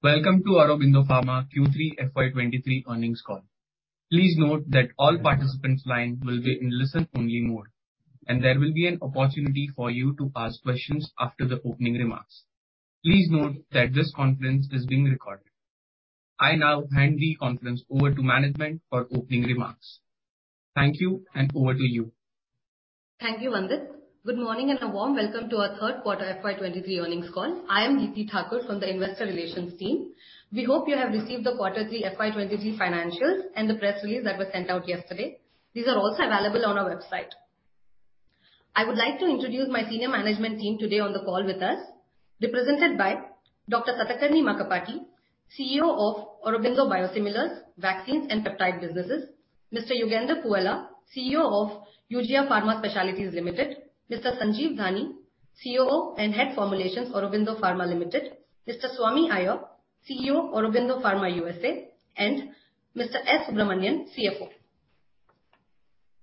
Welcome to Aurobindo Pharma Q3 FY 2023 earnings call. Please note that all participants line will be in listen only mode, and there will be an opportunity for you to ask questions after the opening remarks. Please note that this conference is being recorded. I now hand the conference over to management for opening remarks. Thank you, and over to you. Thank you, Vandit. Good morning and a warm welcome to our third quarter FY 2023 earnings call. I am Deepti Thakur from the investor relations team. We hope you have received the quarter three FY 2023 financials and the press release that was sent out yesterday. These are also available on our website. I would like to introduce my senior management team today on the call with us. They're presented by Dr. Satakarni Makkapati, CEO of Aurobindo Biosimilars, Vaccines and Peptide Businesses, Mr. Yugandhar Puvvala, CEO of Eugia Pharma Specialities Limited, Mr. Sanjeev Dani, CEO and Head Formulations, Aurobindo Pharma Limited, Mr. Swami Iyer, CEO, Aurobindo Pharma USA, and Mr. S. Subramanian, CFO.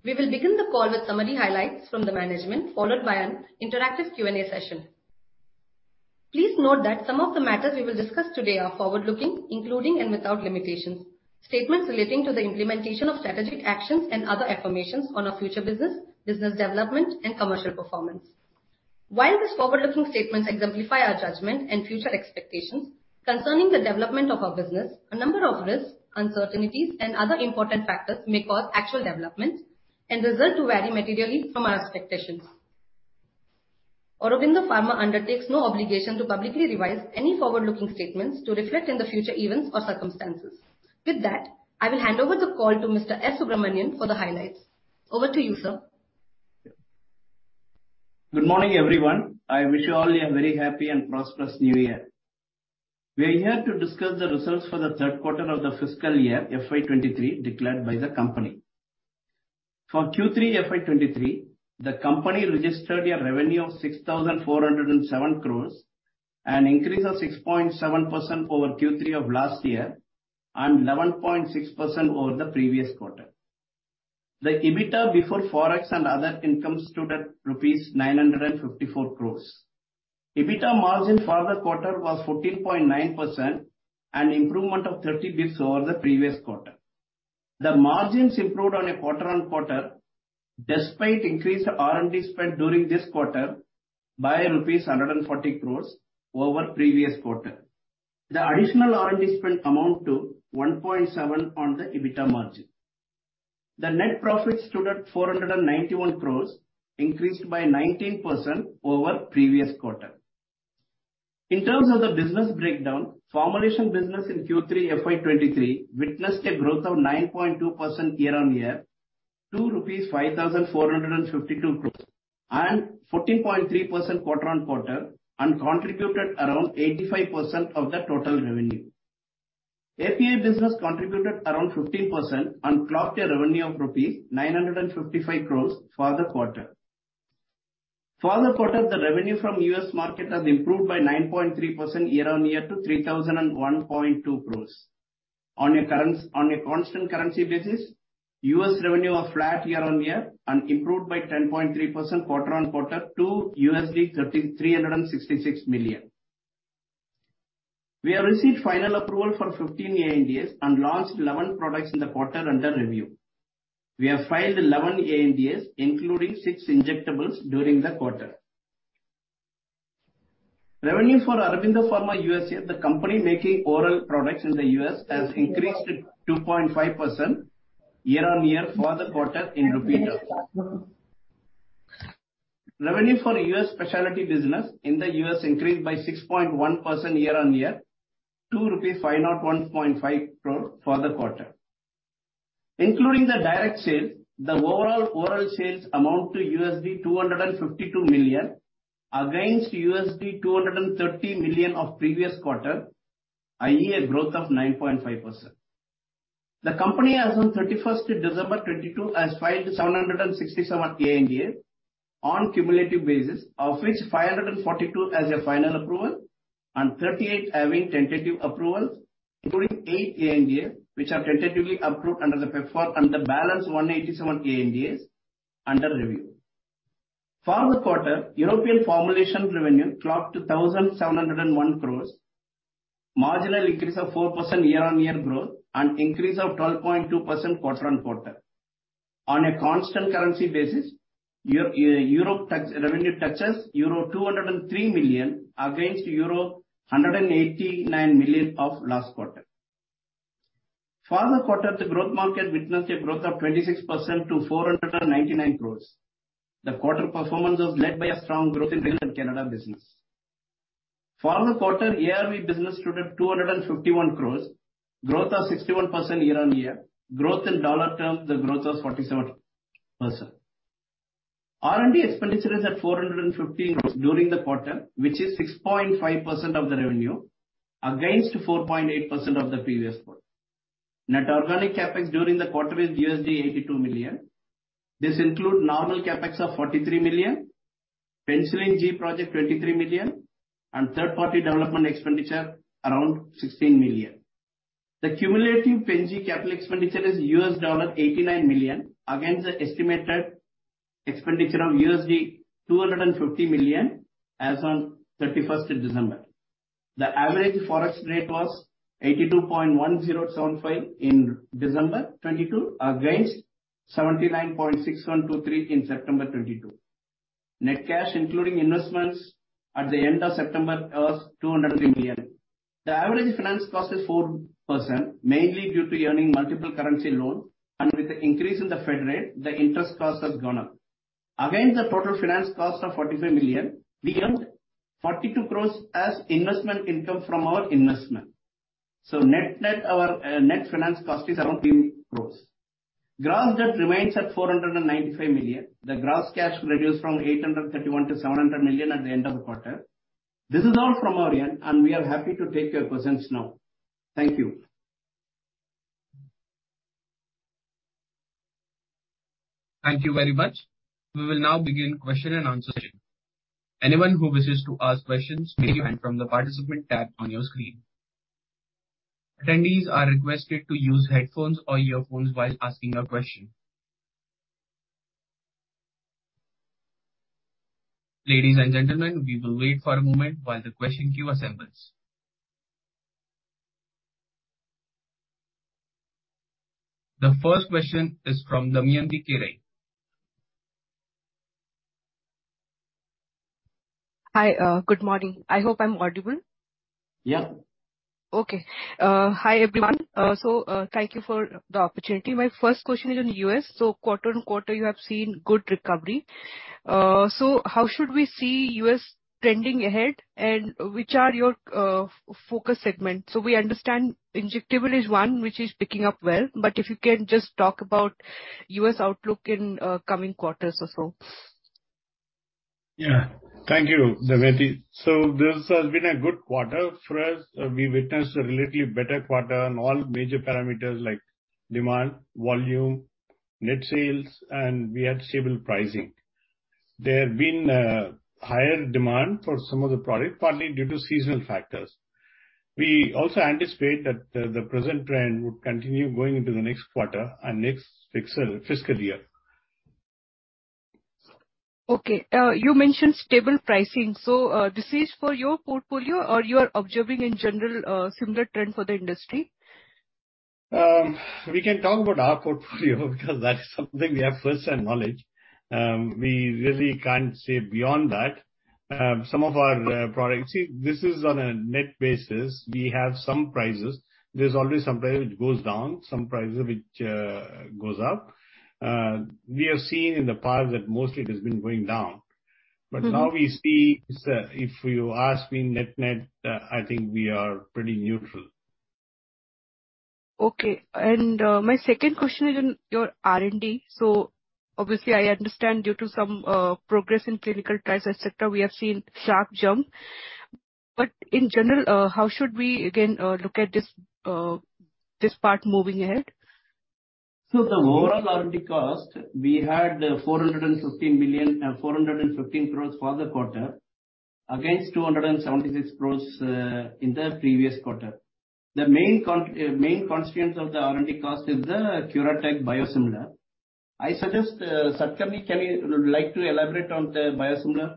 We will begin the call with summary highlights from the management, followed by an interactive Q&A session. Please note that some of the matters we will discuss today are forward-looking, including and without limitation, statements relating to the implementation of strategic actions and other affirmations on our future business development and commercial performance. While these forward-looking statements exemplify our judgment and future expectations concerning the development of our business, a number of risks, uncertainties and other important factors may cause actual developments and result to vary materially from our expectations. Aurobindo Pharma undertakes no obligation to publicly revise any forward-looking statements to reflect any future events or circumstances. With that, I will hand over the call to Mr. S. Subramanian for the highlights. Over to you, sir. Good morning, everyone. I wish you all a very happy and prosperous New Year. We are here to discuss the results for the third quarter of the fiscal year FY 2023 declared by the company. For Q3 FY 2023, the company registered a revenue of 6,407 crores, an increase of 6.7% over Q3 of last year and 11.6% over the previous quarter. The EBITDA before Forex and other income stood at rupees 954 crores. EBITDA margin for the quarter was 14.9%, an improvement of 30 basis points over the previous quarter. The margins improved on a quarter-on-quarter despite increased R&D spend during this quarter by rupees 140 crores over previous quarter. The additional R&D spend amount to 1.7% on the EBITDA margin. The net profit stood at 491 crores, increased by 19% over previous quarter. In terms of the business breakdown, formulation business in Q3 FY 2023 witnessed a growth of 9.2% year-on-year to INR 5,452 crores and 14.3% quarter-on-quarter and contributed around 85% of the total revenue. API business contributed around 15% and clocked a revenue of rupees 955 crores for the quarter. For the quarter, the revenue from US market has improved by 9.3% year-on-year to 3,001.2 crores. On a constant currency basis, US revenue was flat year-on-year and improved by 10.3% quarter-on-quarter to $366 million. We have received final approval for 15 ANDAs and launched 11 products in the quarter under review. We have filed 11 ANDAs, including six injectables during the quarter. Revenue for Aurobindo Pharma USA, the company making oral products in the U.S., has increased 2.5% year-on-year for the quarter in rupee terms. Revenue for U.S. specialty business in the U.S. increased by 6.1% year-on-year to 501.5 crore for the quarter. Including the direct sales, the overall oral sales amount to $252 million against $230 million of previous quarter, i.e. a growth of 9.5%. The company as on 31st December 2022 has filed 767 ANDA on cumulative basis, of which 542 has a final approval and 38 having tentative approval, including eight ANDA which are tentatively approved under the PEPFAR and the balance 187 ANDAs under review. For the quarter, European formulation revenue clocked to 1,701 crores, marginal increase of 4% year-on-year growth and increase of 12.2% quarter-on-quarter. On a constant currency basis, Europe tax revenue touches euro 203 million against euro 189 million of last quarter. For the quarter, the growth market witnessed a growth of 26% to 499 crores. The quarter performance was led by a strong growth in Canada business. For the quarter, ARV business stood at 251 crores, growth of 61% year-over-year. Growth in dollar terms, the growth was 47%. R&D expenditure is at 450 crores rupees during the quarter, which is 6.5% of the revenue against 4.8% of the previous quarter. Net organic CapEx during the quarter is $82 million. This include normal CapEx of $43 million, Penicillin G project $23 million, and third-party development expenditure around $16 million. The cumulative CapEx capital expenditure is $89 million, against the estimated expenditure of $250 million as on 31st of December. The average Forex rate was 82.1075 in December 2022, against 79.6123 in September 2022. Net cash including investments at the end of September was $200 million. The average finance cost is 4%, mainly due to earning multiple currency loan. With the increase in the Fed rate, the interest cost has gone up. Against the total finance cost of $45 million, we earned 42 crores as investment income from our investment. Net, net our net finance cost is around 3 crores. Gross debt remains at $495 million. The gross cash reduced from $831 million to $700 million at the end of the quarter. This is all from our end. We are happy to take your questions now. Thank you. Thank you very much. We will now begin question and answer session. Anyone who wishes to ask questions may do so from the participant tab on your screen. Attendees are requested to use headphones or earphones while asking a question. Ladies and gentlemen, we will wait for a moment while the question queue assembles. The first question is from Damayanti Kerai. Hi. Good morning. I hope I'm audible. Yeah. Okay. Hi, everyone. Thank you for the opportunity. My first question is on U.S. Quarter-on-quarter you have seen good recovery. How should we see U.S. trending ahead, and which are your focus segments? We understand injectable is one which is picking up well, but if you can just talk about U.S. outlook in coming quarters or so. Yeah. Thank you, Damayanti. This has been a good quarter for us. We witnessed a relatively better quarter on all major parameters like demand, volume, net sales, and we had stable pricing. There have been higher demand for some of the product, partly due to seasonal factors. We also anticipate that the present trend would continue going into the next quarter and next fiscal year. Okay. You mentioned stable pricing. This is for your portfolio or you are observing in general, similar trend for the industry? We can talk about our portfolio because that's something we have first-hand knowledge. We really can't say beyond that. Some of our products. See, this is on a net basis. We have some prices. There's always some price which goes down, some prices which goes up. We have seen in the past that mostly it has been going down. Mm-hmm. Now we see, if you ask me net, I think we are pretty neutral. Okay. My second question is on your R&D. Obviously I understand due to some, progress in clinical trials, et cetera, we have seen sharp jump. In general, how should we again, look at this part moving ahead? The overall R&D cost, we had 415 million, 415 crores for the quarter against 276 crores in the previous quarter. The main constituents of the R&D cost is the CuraTeQ biosimilar. I suggest, Satakarni, would like to elaborate on the biosimilar?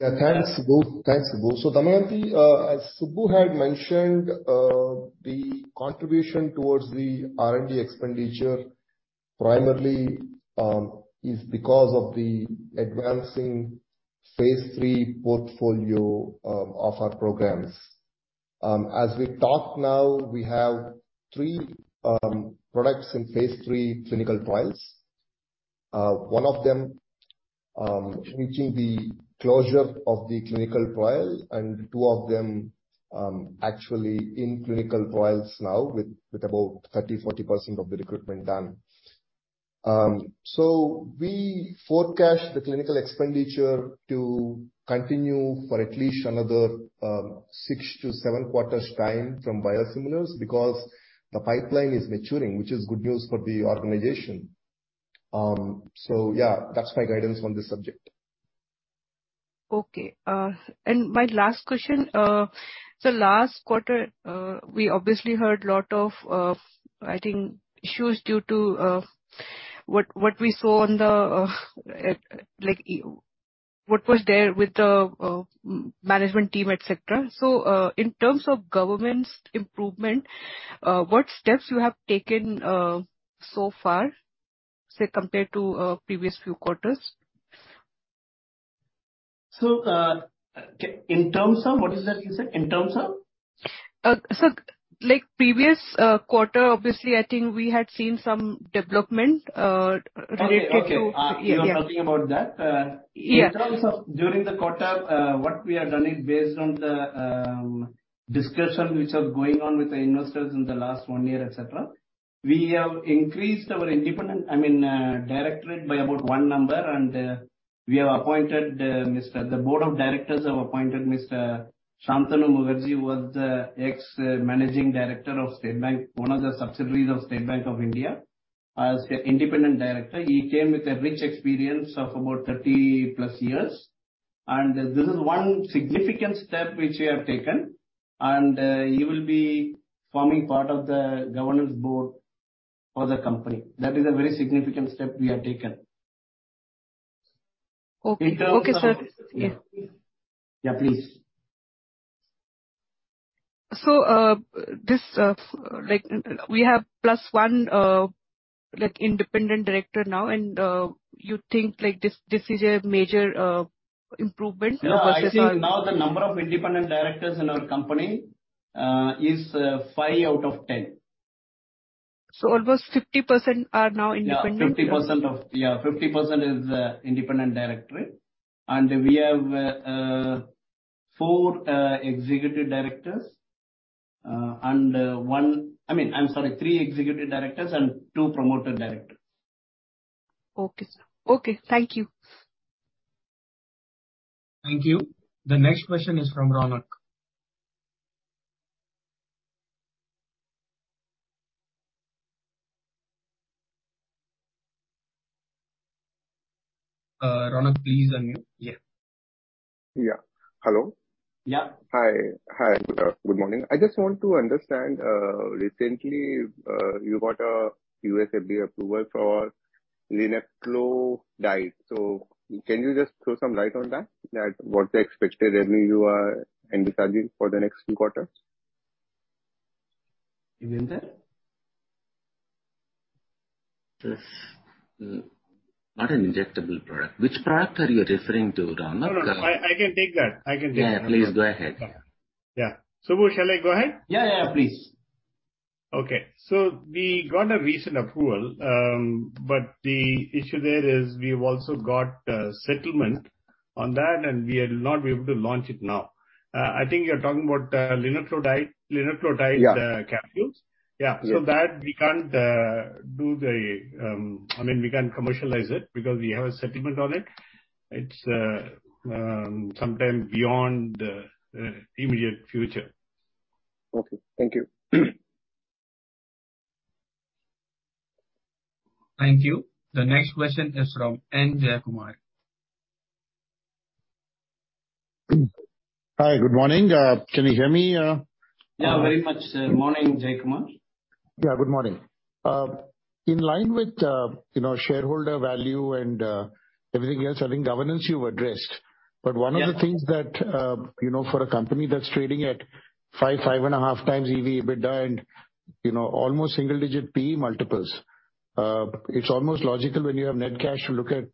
Yeah. Thanks, Subbu. Damayanti, as Subbu had mentioned, the contribution towards the R&D expenditure primarily, is because of the advancing phase 3 portfolio, of our programs. As we talk now, we have three products in phase 3 clinical trials. One of them, reaching the closure of the clinical trial, and two of them, actually in clinical trials now with about 30%-40% of the recruitment done. We forecast the clinical expenditure to continue for at least another six-seven quarters time from biosimilars because the pipeline is maturing, which is good news for the organization. Yeah, that's my guidance on this subject. Okay. My last question. Last quarter, we obviously heard lot of, I think issues due to, what we saw on the, like, what was there with the management team, et cetera. In terms of government's improvement, what steps you have taken, so far, say compared to, previous few quarters? Okay, in terms of... What is that you said? In terms of? Like previous quarter, obviously I think we had seen some development. Okay. Okay. Yeah. Yeah. You're talking about that. Yeah. In terms of during the quarter, what we have done is based on the discussion which was going on with the investors in the last one year, et cetera. We have increased our independent, I mean, directorate by about one number, and The board of directors have appointed Mr. Shantanu Mukherjee, who was the ex-managing director of State Bank, one of the subsidiaries of State Bank of India. As an independent director, he came with a rich experience of about 30+ years. This is one significant step which we have taken, and he will be forming part of the governance board for the company. That is a very significant step we have taken. Okay. Okay, sir. Yeah. Yeah, please. This, like, we have plus one, like, independent director now, and you think, like, this is a major improvement? No, I think now the number of independent directors in our company, is five out of 10. Almost 50% are now independent. Yeah, 50% is independent directorate. We have three executive directors and two promoter directors. Okay, sir. Okay, thank you. Thank you. The next question is from Raunak. Raunak, please unmute. Yeah. Yeah. Hello? Yeah. Hi. Hi. Good morning. I just want to understand, recently, you got a USFDA approval for linaclotide. Can you just throw some light on that what's the expected revenue you are envisaging for the next few quarters? You mean? This is not an injectable product. Which product are you referring to, Raunak? No, no. I can take that. I can take that. Yeah, please go ahead. Yeah. Subbu, shall I go ahead? Yeah, yeah. Please. We got a recent approval, but the issue there is we've also got a settlement on that, and we are not able to launch it now. I think you're talking about linaclotide. Yeah. Capsules. Yeah. Yeah. That we can't do the... I mean, we can't commercialize it because we have a settlement on it. It's sometime beyond the immediate future. Okay, thank you. Thank you. The next question is from N. Jayakumar. Hi. Good morning. Can you hear me? Yeah, very much, sir. Morning, Jayakumar. Yeah, good morning. In line with, you know, shareholder value and everything else, I think governance you've addressed. Yeah. One of the things that, you know, for a company that's trading at 5.5x EV/EBITDA and, you know, almost single-digit PE multiples, it's almost logical when you have net cash to look at,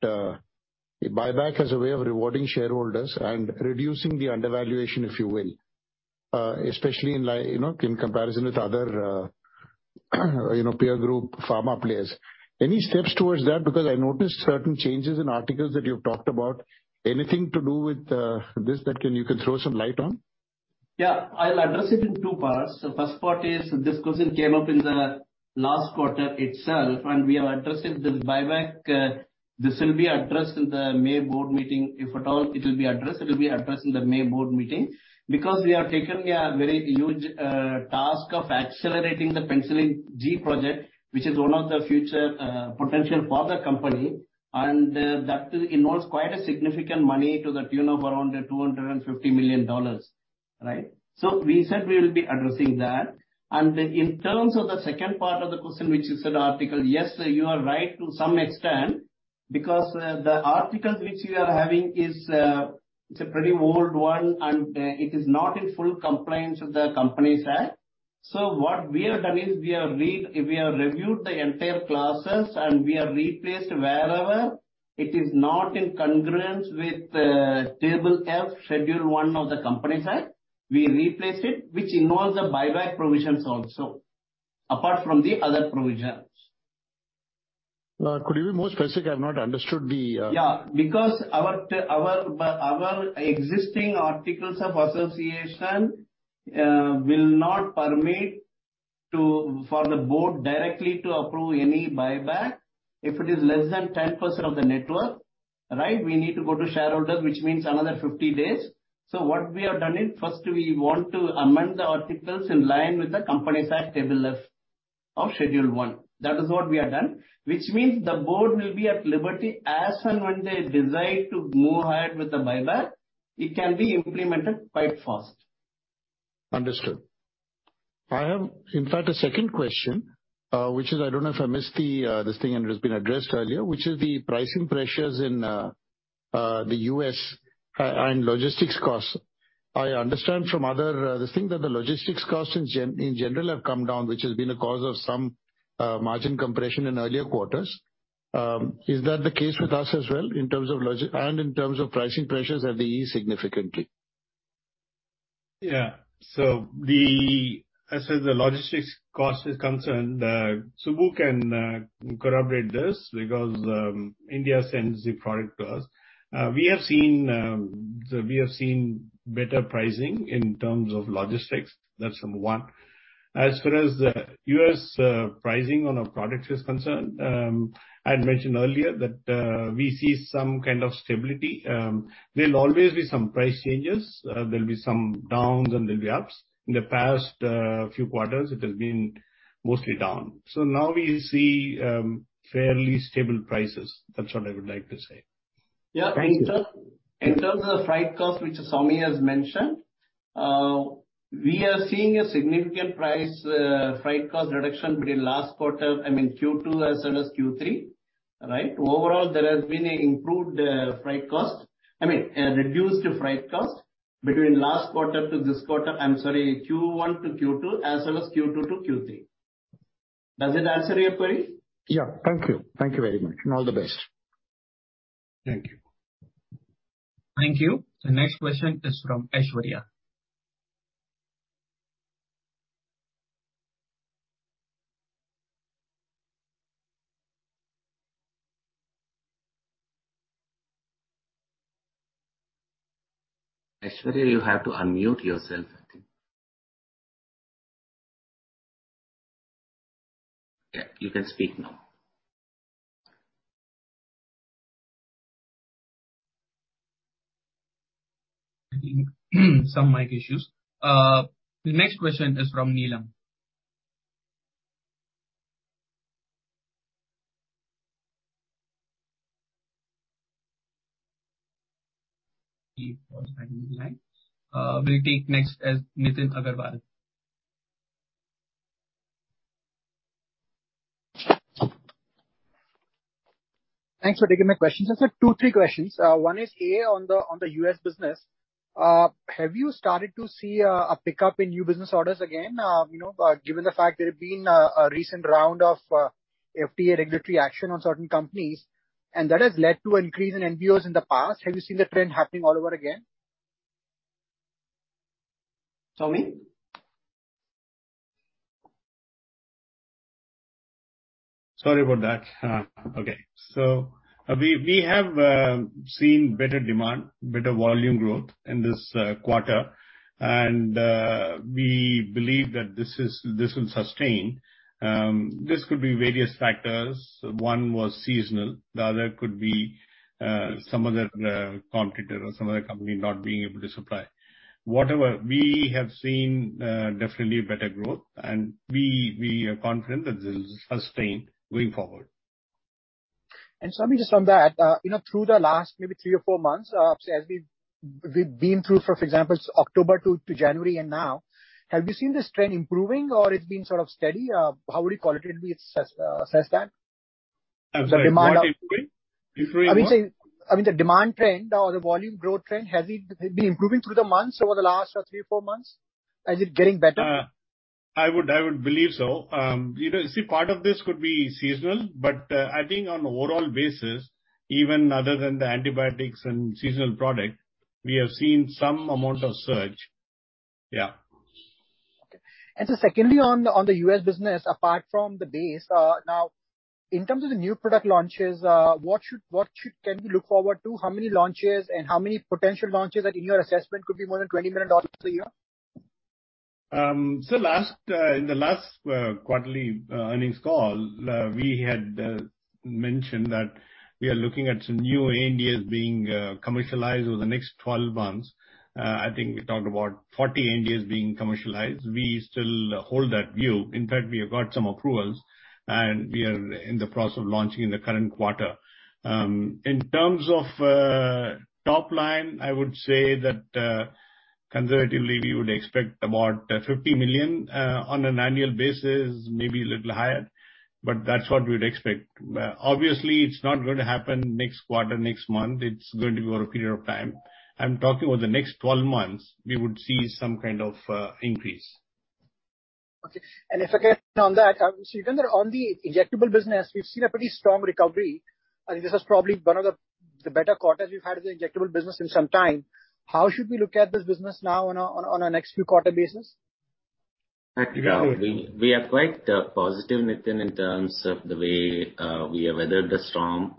buyback as a way of rewarding shareholders and reducing the undervaluation, if you will, especially in you know, in comparison with other, you know, peer group pharma players. Any steps towards that? Because I noticed certain changes in articles that you've talked about. Anything to do with this that can, you can throw some light on? Yeah. I'll address it in two parts. The first part is this question came up in the last quarter itself, and we have addressed it. The buyback, this will be addressed in the May board meeting. If at all it will be addressed, it will be addressed in the May board meeting because we have taken a very huge task of accelerating the Penicillin G project, which is one of the future potential for the company, and that involves quite a significant money to the tune of around $250 million, right? We said we will be addressing that. In terms of the second part of the question, which is an article, yes, you are right to some extent because the articles which you are having is, it's a pretty old one, and it is not in full compliance with the Companies Act. What we have done is We have reviewed the entire clauses, and we have replaced wherever it is not in congruence with Table F, Schedule I of the Companies Act. We replaced it, which involves the buyback provisions also, apart from the other provisions. Could you be more specific? I've not understood the... Yeah, because our existing articles of association will not permit to, for the board directly to approve any buyback if it is less than 10% of the net worth, right? We need to go to shareholders, which means another 50 days. What we have done is first we want to amend the articles in line with the Companies Act Table F of Schedule I. That is what we have done. Which means the board will be at liberty as and when they decide to move ahead with the buyback, it can be implemented quite fast. Understood. I have in fact a second question, which is I don't know if I missed the this thing and it has been addressed earlier, which is the pricing pressures in the US and logistics costs. I understand from other this thing that the logistics costs in general have come down, which has been a cause of some margin compression in earlier quarters. Is that the case with us as well and in terms of pricing pressures have they eased significantly? The, as far as the logistics cost is concerned, Subbu can corroborate this because India sends the product to us. We have seen better pricing in terms of logistics. That's one. As far as the US pricing on our products is concerned, I had mentioned earlier that we see some kind of stability. There'll always be some price changes. There'll be some downs, and there'll be ups. In the past, few quarters, it has been mostly down. Now we see fairly stable prices. That's what I would like to say. Yeah. In terms of the freight cost, which Swami has mentioned, we are seeing a significant freight cost reduction between last quarter, I mean, Q2 as well as Q3. Right? Overall, there has been a improved freight cost. I mean, a reduced freight cost between last quarter to this quarter. I'm sorry, Q1 to Q2, as well as Q2 to Q3. Does it answer your query? Yeah. Thank you. Thank you very much, and all the best. Thank you. Thank you. The next question is from Aishwarya. Aishwarya, you have to unmute yourself, I think. You can speak now. I think some mic issues. The next question is from Neelam. He was back in line. We'll take next as Nitin Agarwal. Thanks for taking my questions. I just have two, three questions. One is, A, on the, on the U.S. business, have you started to see a pickup in new business orders again, you know, given the fact there have been a recent round of FDA regulatory action on certain companies, and that has led to increase in NBOs in the past. Have you seen the trend happening all over again? Swami? Sorry about that. Okay. We have seen better demand, better volume growth in this quarter. We believe that this is, this will sustain. This could be various factors. One was seasonal, the other could be some other competitor or some other company not being able to supply. Whatever, we have seen definitely a better growth, we are confident that this is sustained going forward. Swami, just on that, you know, through the last maybe three or four months, say as we've been through, for example, October to January and now, have you seen this trend improving or it's been sort of steady? How would you qualitatively assess that? Have the what improving? The demand- Improving what? I mean, the demand trend or the volume growth trend, has it been improving through the months over the last three or four months? Is it getting better? I would believe so. you know, see, part of this could be seasonal, but, I think on overall basis, even other than the antibiotics and seasonal product, we have seen some amount of surge. Yeah. Okay. sir, secondly, on the U.S. business, apart from the base, now in terms of the new product launches, can we look forward to? How many launches and how many potential launches that in your assessment could be more than $20 million a year? Um, so last, uh, in the last, uh, quarterly, uh, earnings call, uh, we had, uh, mentioned that we are looking at some new ANDAs being, uh, commercialized over the next twelve months. Uh, I think we talked about forty ANDAs being commercialized. We still hold that view. In fact, we have got some approvals, and we are in the process of launching in the current quarter. Um, in terms of, uh, top line, I would say that, uh, conservatively we would expect about fifty million, uh, on an annual basis, maybe a little higher, but that's what we'd expect. Uh, obviously, it's not going to happen next quarter, next month. It's going to be over a period of time. I'm talking about the next twelve months we would see some kind of, uh, increase. Okay. If I can on that, given that on the injectable business we've seen a pretty strong recovery, I think this is probably one of the better quarters we've had in the injectable business in some time. How should we look at this business now on a next few quarter basis? We are quite positive, Nitin, in terms of the way we have weathered the storm.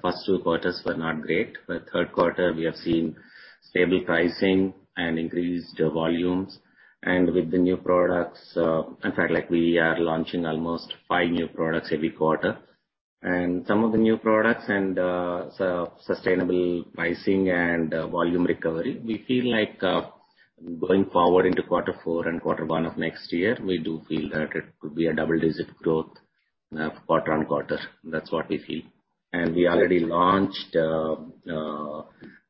First two quarters were not great. Third quarter we have seen stable pricing and increased volumes. With the new products, in fact, like we are launching almost five new products every quarter. Some of the new products and sustainable pricing and volume recovery, we feel like going forward into quarter four and quarter one of next year, we do feel that it could be a double-digit growth quarter-on-quarter. That's what we feel. We already launched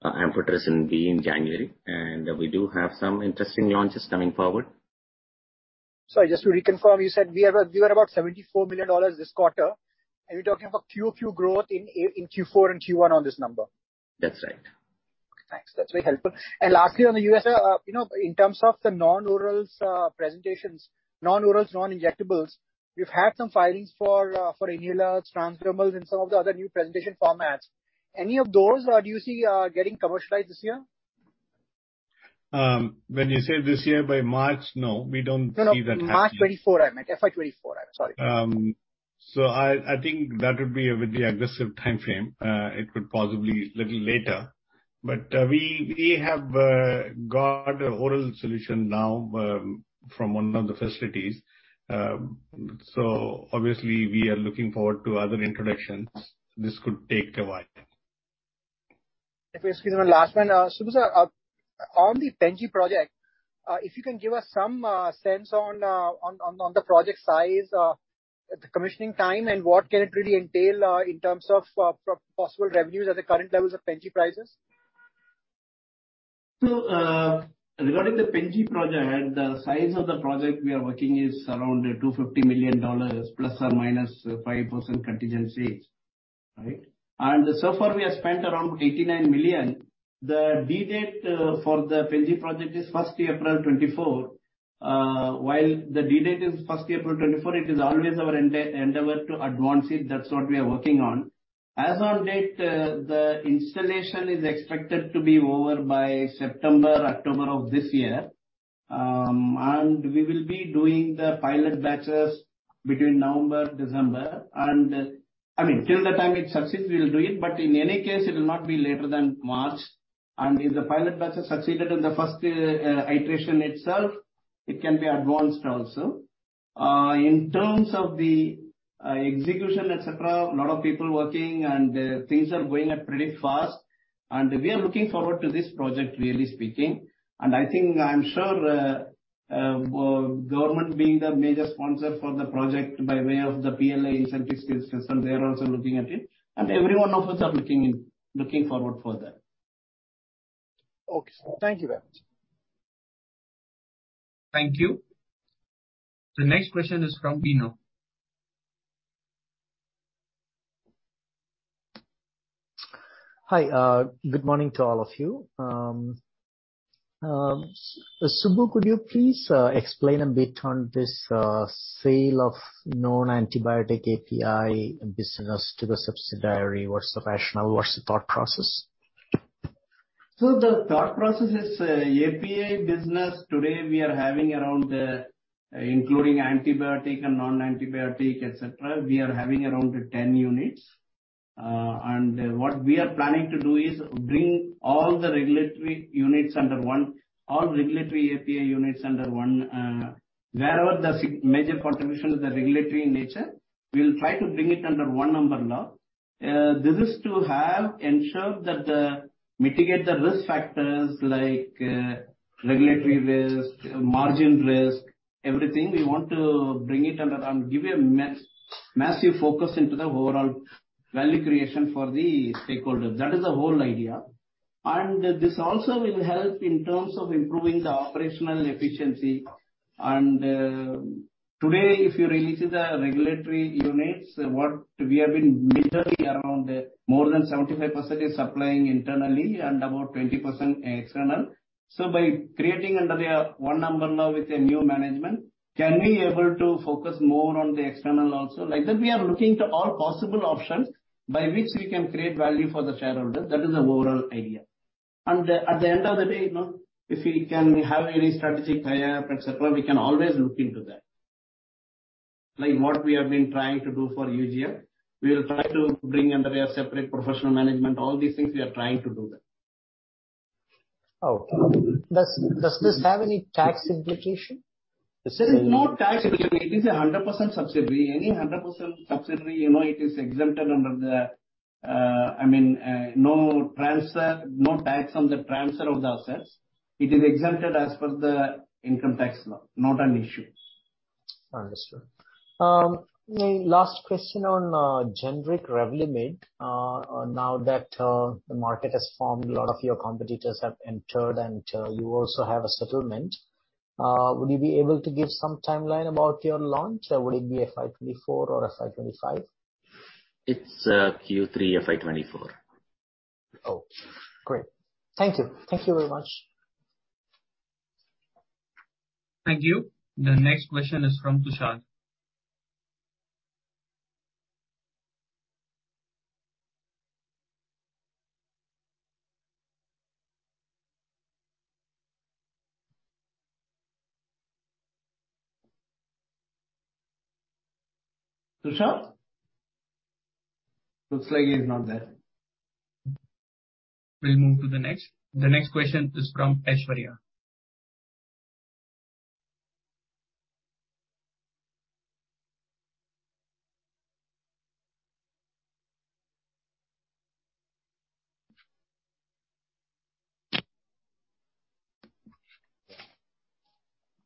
Amphotericin B in January, and we do have some interesting launches coming forward. Sorry, just to reconfirm, you said we are about $74 million this quarter, and you're talking about quarter-over-quarter growth in Q4 and Q1 on this number? That's right. Okay, thanks. That's very helpful. Lastly, on the U.S., you know, in terms of the non-orals presentations, non-injectables, you've had some filings for inhalers, transdermals, and some of the other new presentation formats. Any of those, do you see getting commercialized this year? When you say this year, by March, no, we don't see that happening. No, no. March 2024, I meant. FY 2024. I'm sorry. I think that would be a very aggressive timeframe. It could possibly little later. We have got oral solution now from one of the facilities. Obviously we are looking forward to other introductions. This could take a while. If you excuse me, one last one. Subbu, sir, on the Pen-G project, if you can give us some sense on the project size, the commissioning time, and what can it really entail in terms of possible revenues at the current levels of Pen-G prices? Regarding the Pen-G project, the size of the project we are working is around $250 million, plus or minus 5% contingency. Right? So far we have spent around $89 million. The deadline for the Pen-G project is 1st April 2024. While the deadline is 1st April 2024, it is always our endeavor to advance it. That's what we are working on. As on date, the installation is expected to be over by September, October of this year. We will be doing the pilot batches between November, December, and I mean, till the time it succeeds we will do it, but in any case it will not be later than March. If the pilot batches succeeded in the 1st iteration itself, it can be advanced also. In terms of the execution, et cetera, a lot of people working and things are moving pretty fast. We are looking forward to this project, really speaking. I think, I'm sure, government being the major sponsor for the project by way of the PLI incentive system, they are also looking at it. Every one of us are looking forward for that. Okay. Thank you very much. Thank you. The next question is from Bino. Hi. Good morning to all of you. Subbu, could you please explain a bit on this sale of non-antibiotic API business to the subsidiary? What's the rationale? What's the thought process? The thought process is, API business today we are having around, including antibiotic and non-antibiotic, et cetera, we are having around 10 units. What we are planning to do is bring all the regulatory units under one, all regulatory API units under one, wherever the major contribution is the regulatory in nature, we'll try to bring it under one umbrella. This is to have ensured that mitigate the risk factors like regulatory risk, margin risk, everything we want to bring it under and give a massive focus into the overall value creation for the stakeholders. That is the whole idea. This also will help in terms of improving the operational efficiency. Today if you really see the regulatory units, what we have been majorly around more than 75% is supplying internally and about 20% external. By creating under the one umbrella with a new management, can we able to focus more on the external also? Like that we are looking to all possible options by which we can create value for the shareholders. That is the overall idea. At the end of the day, you know, if we can have any strategic tie-up, et cetera, we can always look into that. Like what we have been trying to do for UGM, we will try to bring under a separate professional management, all these things, we are trying to do that. Okay. Does this have any tax implication? There is no tax implication. It is a 100% subsidiary. Any 100% subsidiary, you know, it is exempted under the, I mean, no transfer, no tax on the transfer of the assets. It is exempted as per the income tax law. Not an issue. Understood. My last question on generic Revlimid. Now that the market has formed, a lot of your competitors have entered, and you also have a settlement, would you be able to give some timeline about your launch? Would it be FY 2024 or FY 2025? It's Q3 FY 2024. Oh, great. Thank you. Thank you very much. Thank you. The next question is from Tushar. Tushar? Looks like he is not there. We'll move to the next. The next question is from Aishwarya.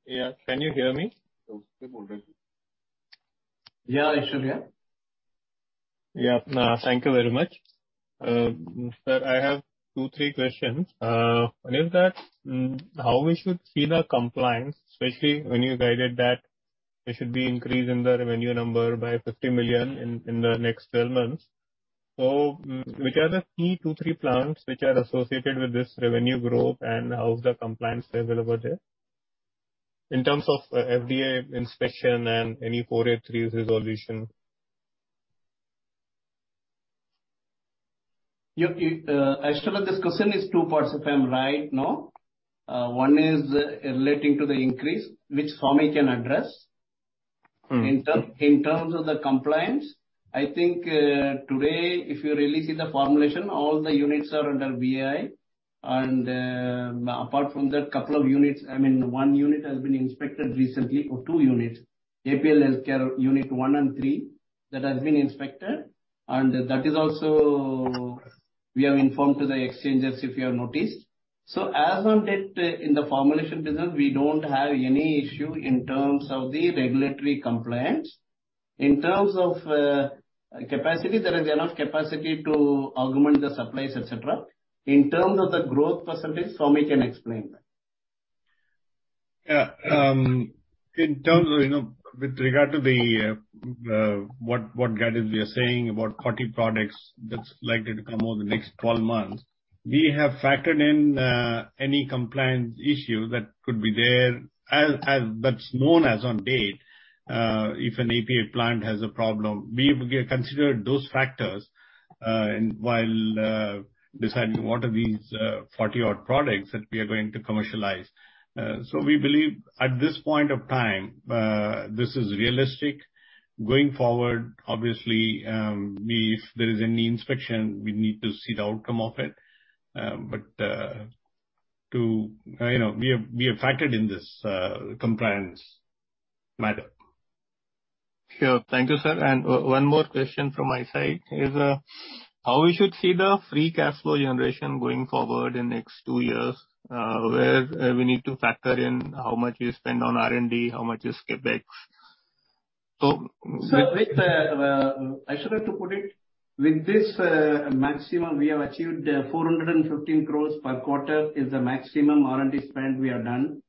Yeah. Can you hear me? Yeah, Aishwarya. Yeah. Thank you very much. Sir, I have two, three questions. One is that, how we should see the compliance, especially when you guided that there should be increase in the revenue number by $50 million in the next 12 months. Which are the key two, three plans which are associated with this revenue growth, and how is the compliance level over there in terms of FDA inspection and any 483s resolution? You, Aishwarya, this question is two parts if I'm right, no? One is relating to the increase, which Swami can address. Mm. In terms of the compliance, I think, today if you really see the formulation, all the units are under VAI. Apart from that, couple of units, I mean, one unit has been inspected recently or two units, APL Healthcare unit 1 and 3. That has been inspected, and that is also. We have informed to the exchanges, if you have noticed. As on date, in the formulation business, we don't have any issue in terms of the regulatory compliance. In terms of capacity, there is enough capacity to augment the supplies, et cetera. In terms of the growth percentage, Soumi can explain that. Yeah. In terms of, you know, with regard to the what Gadis was saying about 40 products that's likely to come over the next 12 months, we have factored in any compliance issue that could be there as that's known as on date. If an API plant has a problem, we have considered those factors in while deciding what are these 40 odd products that we are going to commercialize. We believe at this point of time, this is realistic. Going forward, obviously, we if there is any inspection, we need to see the outcome of it. You know, we have factored in this compliance matter. Sure. Thank you, sir. One more question from my side is, how we should see the free cash flow generation going forward in next two years, where, we need to factor in how much you spend on R&D, how much is CapEx? Sir, with the Ashwin to put it, with this maximum we have achieved, 415 crores per quarter is the maximum R&D spend we have done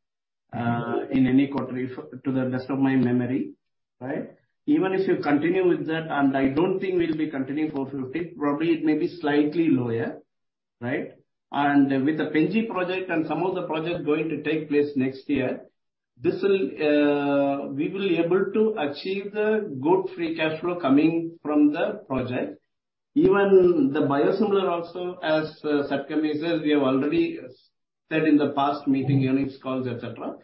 in any quarter, if, to the best of my memory, right? Even if you continue with that, I don't think we'll be continuing 450 crores, probably it may be slightly lower, right? With the Penghi project and some of the projects going to take place next year, this will we will be able to achieve the good free cash flow coming from the project. Even the biosimilar also, as Satakarni says, we have already said in the past meeting, earnings calls, et cetera,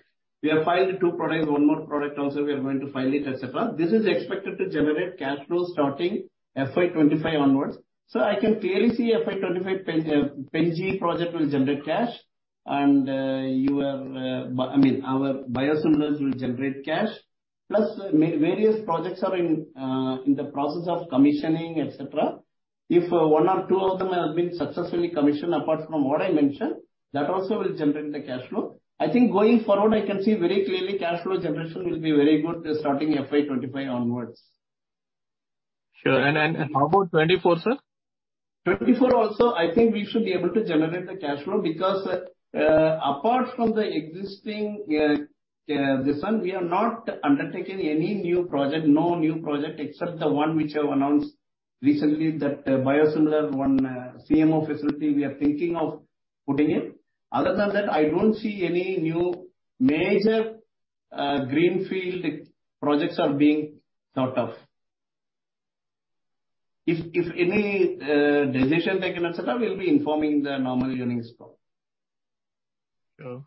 we have filed two products. One more product also we are going to file it, et cetera. This is expected to generate cash flows starting FY 2025 onwards. I can clearly see FY 2025 Penghi project will generate cash and, I mean our biosimilars will generate cash. Various projects are in the process of commissioning, et cetera. If one or two of them have been successfully commissioned, apart from what I mentioned, that also will generate the cash flow. Going forward I can see very clearly cash flow generation will be very good starting FY 2025 onwards. Sure. How about 2024, sir? 2024 also, I think we should be able to generate the cash flow because apart from the existing this one, we have not undertaken any new project, no new project except the one which I've announced recently, that biosimilar one, CMO facility we are thinking of putting it. Other than that, I don't see any new major greenfield projects are being thought of. If any decision taken, et cetera, we'll be informing the normal earnings call. Sure.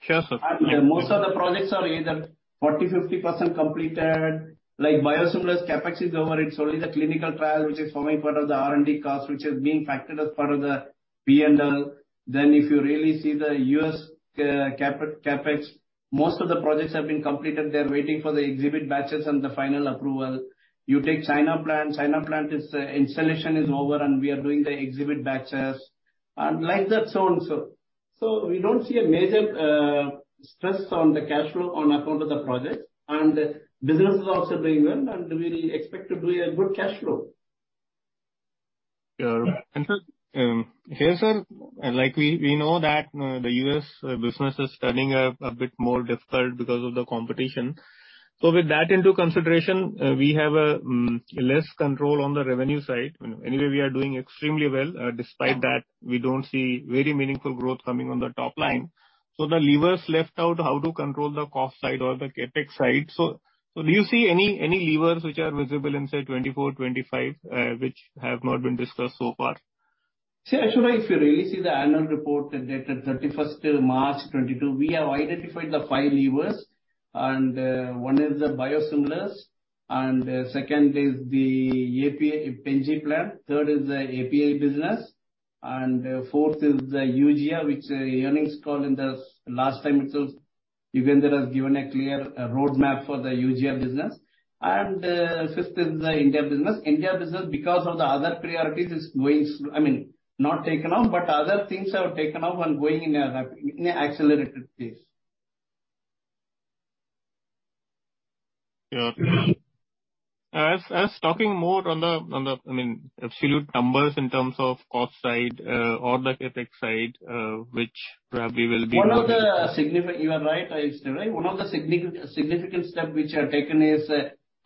Sure, sir. Most of the projects are either 40%, 50% completed. Like biosimilars, CapEx is over. It's only the clinical trial, which is forming part of the R&D cost, which has been factored as part of the P&L. If you really see the U.S. CapEx, most of the projects have been completed. They're waiting for the exhibit batches and the final approval. You take China plant. China plant is installation is over, and we are doing the exhibit batches. Like that so on so. We don't see a major stress on the cash flow on account of the projects. Business is also doing well, and we expect to do a good cash flow. Sure. Here, sir, like we know that the U.S. business is turning a bit more difficult because of the competition. With that into consideration, we have less control on the revenue side. Anyway, we are doing extremely well. Despite that, we don't see very meaningful growth coming on the top line. The levers left out how to control the cost side or the CapEx side. Do you see any levers which are visible in say 2024, 2025, which have not been discussed so far? See, Ashwin, if you really see the annual report dated 31st March 2022, we have identified the five levers, and one is the biosimilars, second is the API Penghi plant, third is the API business, and fourth is the UGR, which earnings call in the last time it was given. There has given a clear roadmap for the UGR business. Fifth is the India business. India business, because of the other priorities, is going I mean, not taken off, but other things have taken off and going in a accelerated pace. Yeah. As talking more on the... I mean, absolute numbers in terms of cost side, or the CapEx side. You are right. It's the right. One of the significant step which I've taken is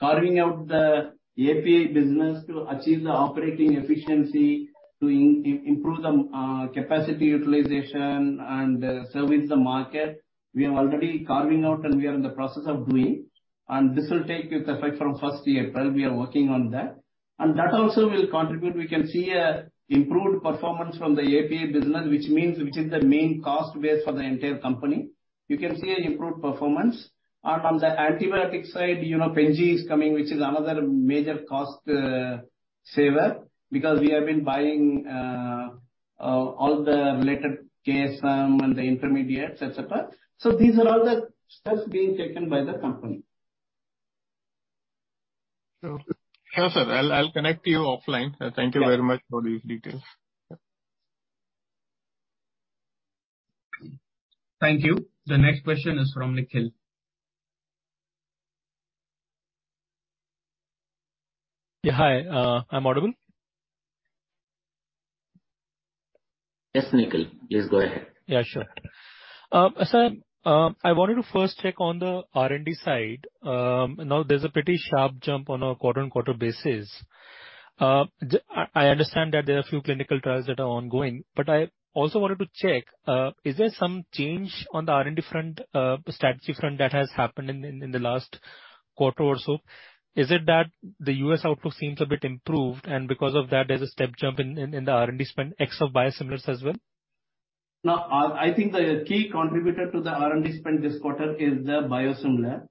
carving out the API business to achieve the operating efficiency, to improve the capacity utilization and service the market. We have already carving out and we are in the process of doing, and this will take with effect from first April. We are working on that. That also will contribute. We can see a improved performance from the API business, which means which is the main cost base for the entire company. You can see improved performance. On the antibiotic side, you know Penghi is coming, which is another major cost saver because we have been buying all the related KSM and the intermediates, et cetera. These are all the steps being taken by the company. Sure. Sure, sir. I'll connect you offline. Yeah. Thank you very much for these details. Thank you. The next question is from Nikhil. Yeah. Hi. I'm audible? Yes, Nikhil. Please go ahead. Yeah, sure. I wanted to first check on the R&D side. Now there's a pretty sharp jump on a quarter-on-quarter basis. I understand that there are few clinical trials that are ongoing, but I also wanted to check, is there some change on the R&D front, strategy front that has happened in the last quarter or so? Is it that the US output seems a bit improved and because of that there's a step jump in the R&D spend x of biosimilars as well? No. I think the key contributor to the R&D spend this quarter is the biosimilar.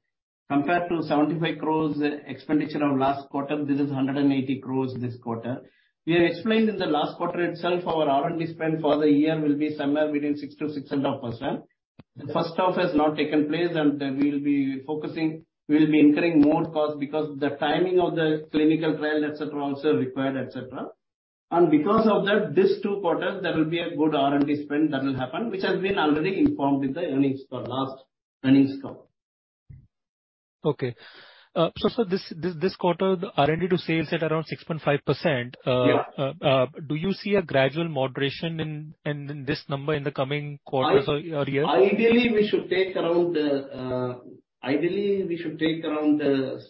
Compared to 75 crores expenditure of last quarter, this is 180 crores this quarter. We had explained in the last quarter itself our R&D spend for the year will be somewhere between 6% -6.5%. The first half has now taken place and we will be focusing, we will be incurring more cost because the timing of the clinical trial, et cetera, also required, et cetera. Because of that, these two quarters there will be a good R&D spend that will happen, which has been already informed with the earnings for last earnings call. Okay. This quarter the R&D to sales at around 6.5%. Yeah. Do you see a gradual moderation in this number in the coming quarters or year? Ideally we should take around 6%-6.25%.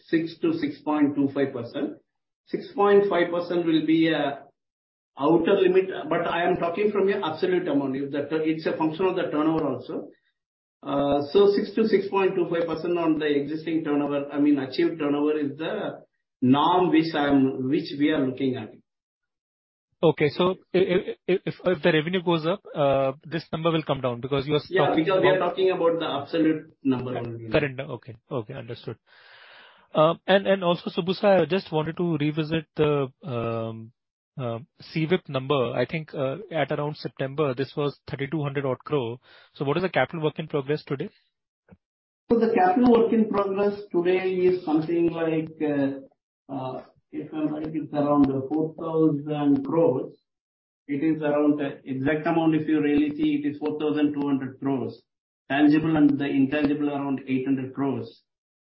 6.5% will be outer limit, but I am talking from an absolute amount. It's a function of the turnover also. 6%-6.25% on the existing turnover, I mean, achieved turnover is the norm which we are looking at. Okay. if the revenue goes up, this number will come down. Yeah, because we are talking about the absolute number only. Current. Okay. Okay, understood. And also Subbu sir, I just wanted to revisit the CWIP number. I think at around September, this was 3,200 odd crore. What is the capital work in progress today? The capital work in progress today is something like, if I'm right it's around 4,000 crores. It is around, exact amount if you really see it is 4,200 crores. Tangible and the intangible are around 800 crores,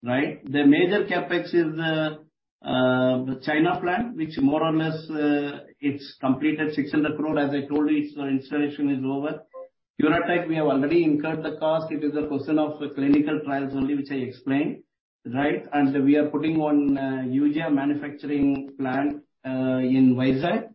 right? The major CapEx is the China plant, which more or less, it's completed 600 crores. As I told you, its installation is over. Eurotype, we have already incurred the cost. It is a question of clinical trials only, which I explained, right? We are putting on Eugia manufacturing plant in Vizag.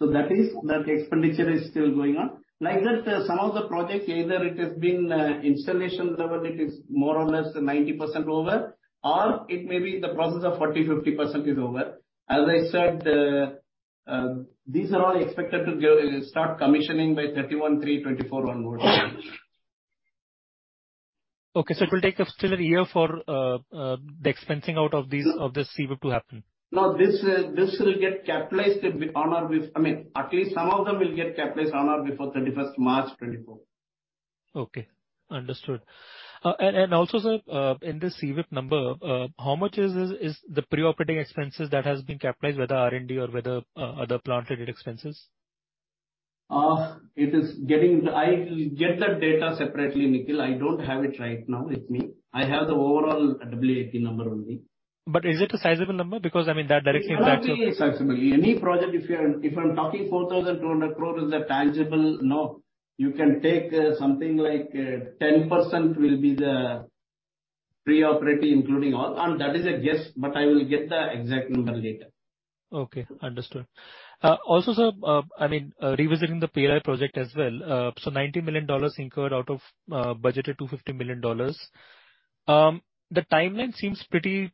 That is, that expenditure is still going on. Like that, some of the projects, either it has been installation level, it is more or less 90% over, or it may be in the process of 40%, 50% is over. As I said, these are all expected to start commissioning by 31/3/2024 onwards. Okay. It will take up still a year for the expensing out of these- No. Of this CWIP to happen. No, this will get capitalized with on or I mean, at least some of them will get capitalized on or before 31st March 2024. Okay. Understood. Also sir, in this CWIP number, how much is the pre-operating expenses that has been capitalized, whether R&D or whether other plant related expenses? I will get that data separately, Nikhil. I don't have it right now with me. I have the overall WAP number only. Is it a sizable number? Because I mean that directly impacts your- It might be sizable. Any project, if I'm talking 4,200 crore is the tangible, no, you can take, something like, 10% will be the pre-operating including all, that is a guess, but I will get the exact number later. Okay. Understood. Also sir, I mean, revisiting the PLI project as well. Ninety million dollars incurred out of budgeted $250 million. The timeline seems pretty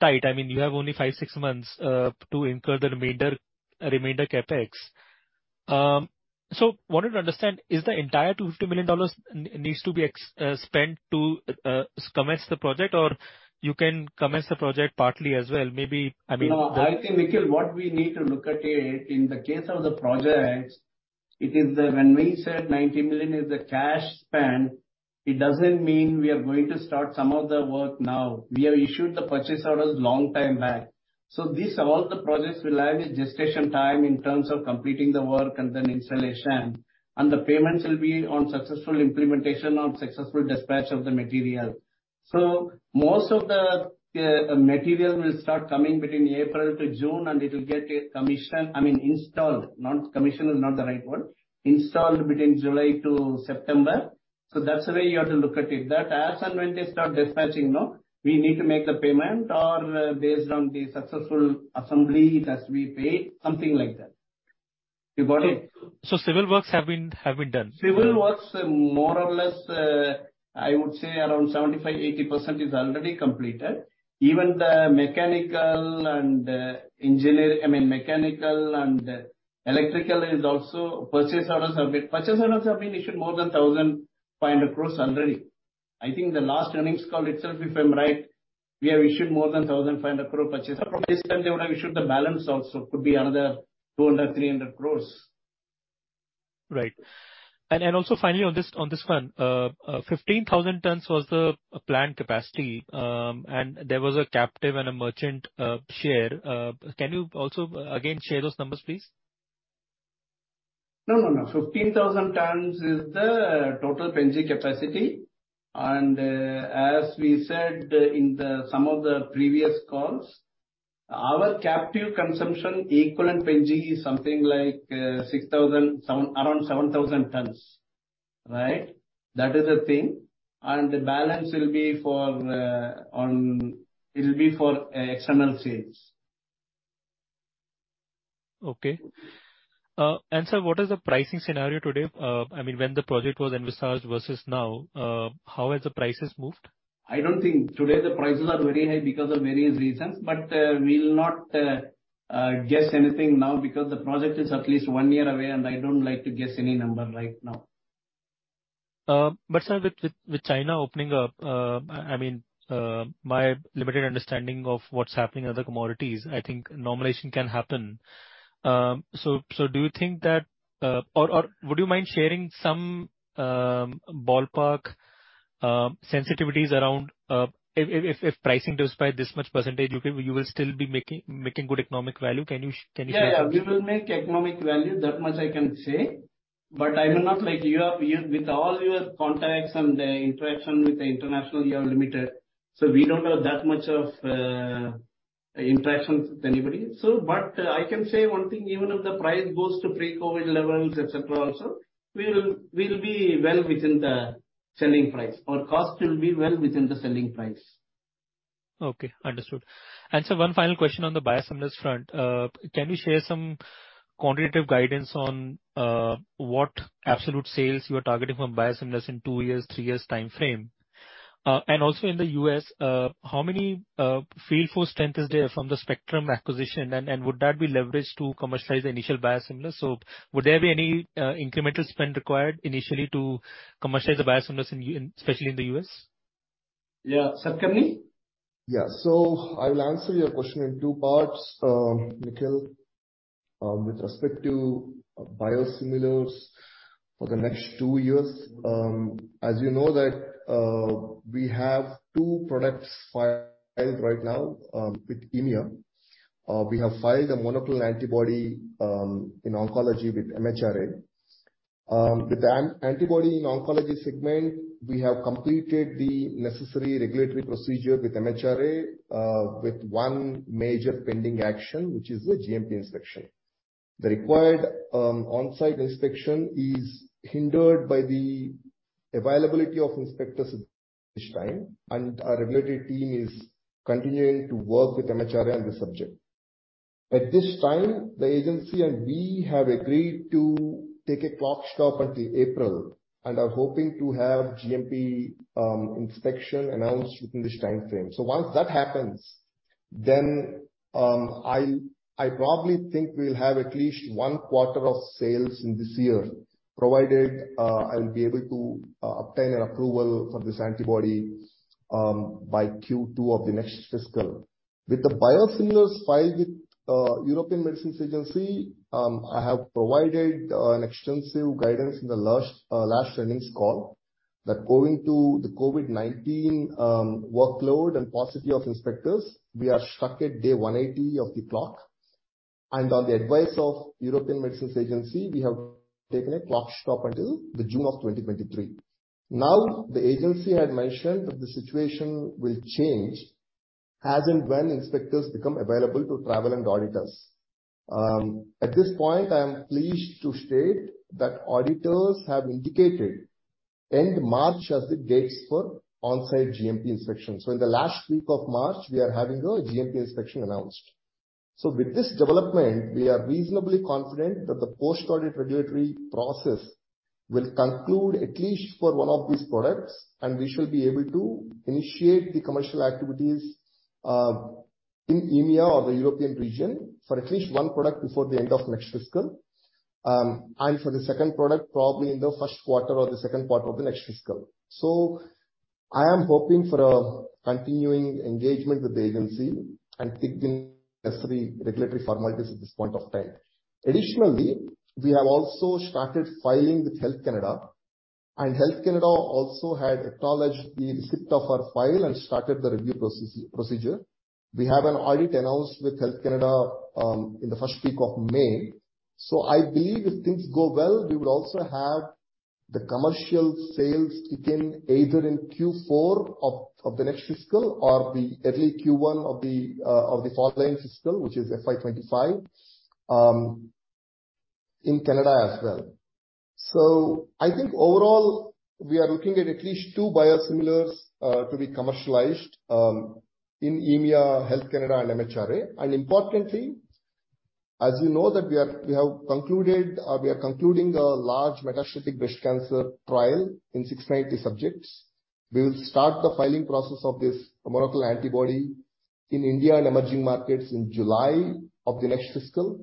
tight. I mean, you have only five, six months, to incur the remainder CapEx. Wanted to understand, is the entire $250 million needs to be spent to commence the project, or you can commence the project partly as well? Maybe, I mean. I think, Nikhil, what we need to look at it, in the case of the projects, it is. When we said $90 million is the cash spent, it doesn't mean we are going to start some of the work now. We have issued the purchase orders long time back. These, all the projects will have a gestation time in terms of completing the work and then installation. The payments will be on successful implementation, on successful dispatch of the material. Most of the material will start coming between April -June, and it'll get commissioned, I mean installed, not. Commissioned is not the right word. Installed between July-September. That's the way you have to look at it. As and when they start dispatching, no, we need to make the payment or based on the successful assembly it has to be paid, something like that. You got it? Okay. Civil works have been done. Civil works more or less, I would say around 75%-80% is already completed. Even the mechanical and I mean, mechanical and electrical is also purchase orders have been issued more than 1,500 crores already. I think the last earnings call itself, if I'm right, we have issued more than 1,500 crore purchases. Probably this time they would have issued the balance also. Could be another 200 crores-300 crores. Right. Also finally on this one, 15,000 tons was the planned capacity, and there was a captive and a merchant share. Can you also again share those numbers, please? No, no. 15,000 tons is the total fermentation capacity, and, as we said in some of the previous calls, our captive consumption equivalent fermentation is something like 6,000 tons, around 7,000 tons, right? That is the thing. The balance will be for external sales. Okay. Sir, what is the pricing scenario today? I mean, when the project was envisaged versus now, how has the prices moved? Today, the prices are very high because of various reasons, but we'll not guess anything now because the project is at least one year away, and I don't like to guess any number right now. Sir, with China opening up, I mean, my limited understanding of what's happening in other commodities, I think normalization can happen. Do you think that, or would you mind sharing some ballpark sensitivities around, if pricing despite this much % you will still be making good economic value? Can you share? Yeah, yeah. We will make economic value, that much I can say. I will not like you have here, with all your contacts and interaction with the international, you are limited. We don't have that much of interactions with anybody. I can say one thing, even if the price goes to pre-COVID levels, et cetera, also we will be well within the selling price, or cost will be well within the selling price. Okay, understood. Sir, one final question on the biosimilars front. Can you share some quantitative guidance on what absolute sales you are targeting from biosimilars in two years, three years timeframe? And also in the U.S., how many field force strength is there from the Spectrum acquisition, and would that be leveraged to commercialize the initial biosimilars? Would there be any incremental spend required initially to commercialize the biosimilars especially in the U.S.? Yeah. Satakarni? Yeah. I will answer your question in two parts, Nikhil. With respect to biosimilars for the next two years, as you know that, we have two products filed right now, with EMEA. We have filed a monoclonal antibody in oncology with MHRA. With the antibody in oncology segment, we have completed the necessary regulatory procedure with MHRA, with one major pending action, which is the GMP inspection. The required on-site inspection is hindered by the availability of inspectors at this time, and our regulatory team is continuing to work with MHRA on this subject. At this time, the agency and we have agreed to take a clock stop until April and are hoping to have GMP inspection announced within this timeframe. Once that happens, then, I probably think we'll have at least one quarter of sales in this year, provided, I'll be able to obtain an approval for this antibody by Q2 of the next fiscal. With the biosimilars filed with European Medicines Agency, I have provided an extensive guidance in the last earnings call, that owing to the COVID-19 workload and paucity of inspectors, we are stuck at day 180 of the clock. On the advice of European Medicines Agency, we have taken a clock stop until June 2023. The agency had mentioned that the situation will change as and when inspectors become available to travel and audit us. At this point, I am pleased to state that auditors have indicated end March as the dates for on-site GMP inspection. In the last week of March, we are having a GMP inspection announced. With this development, we are reasonably confident that the post-audit regulatory process will conclude at least for one of these products, and we shall be able to initiate the commercial activities in EMEA or the European region for at least one product before the end of next fiscal. For the second product, probably in the first quarter or the second quarter of the next fiscal. I am hoping for a continuing engagement with the agency and kick in necessary regulatory formalities at this point of time. Additionally, we have also started filing with Health Canada. Health Canada also had acknowledged the receipt of our file and started the review procedure. We have an audit announced with Health Canada in the first week of May. I believe if things go well, we will also have the commercial sales kick in either in Q4 of the next fiscal or the early Q1 of the following fiscal, which is FY 2025, in Canada as well. I think overall we are looking at at least two biosimilars to be commercialized in EMEA, Health Canada and MHRA. Importantly, as you know that we have concluded, we are concluding a large metastatic breast cancer trial in 690 subjects. We will start the filing process of this monoclonal antibody in India and emerging markets in July of the next fiscal.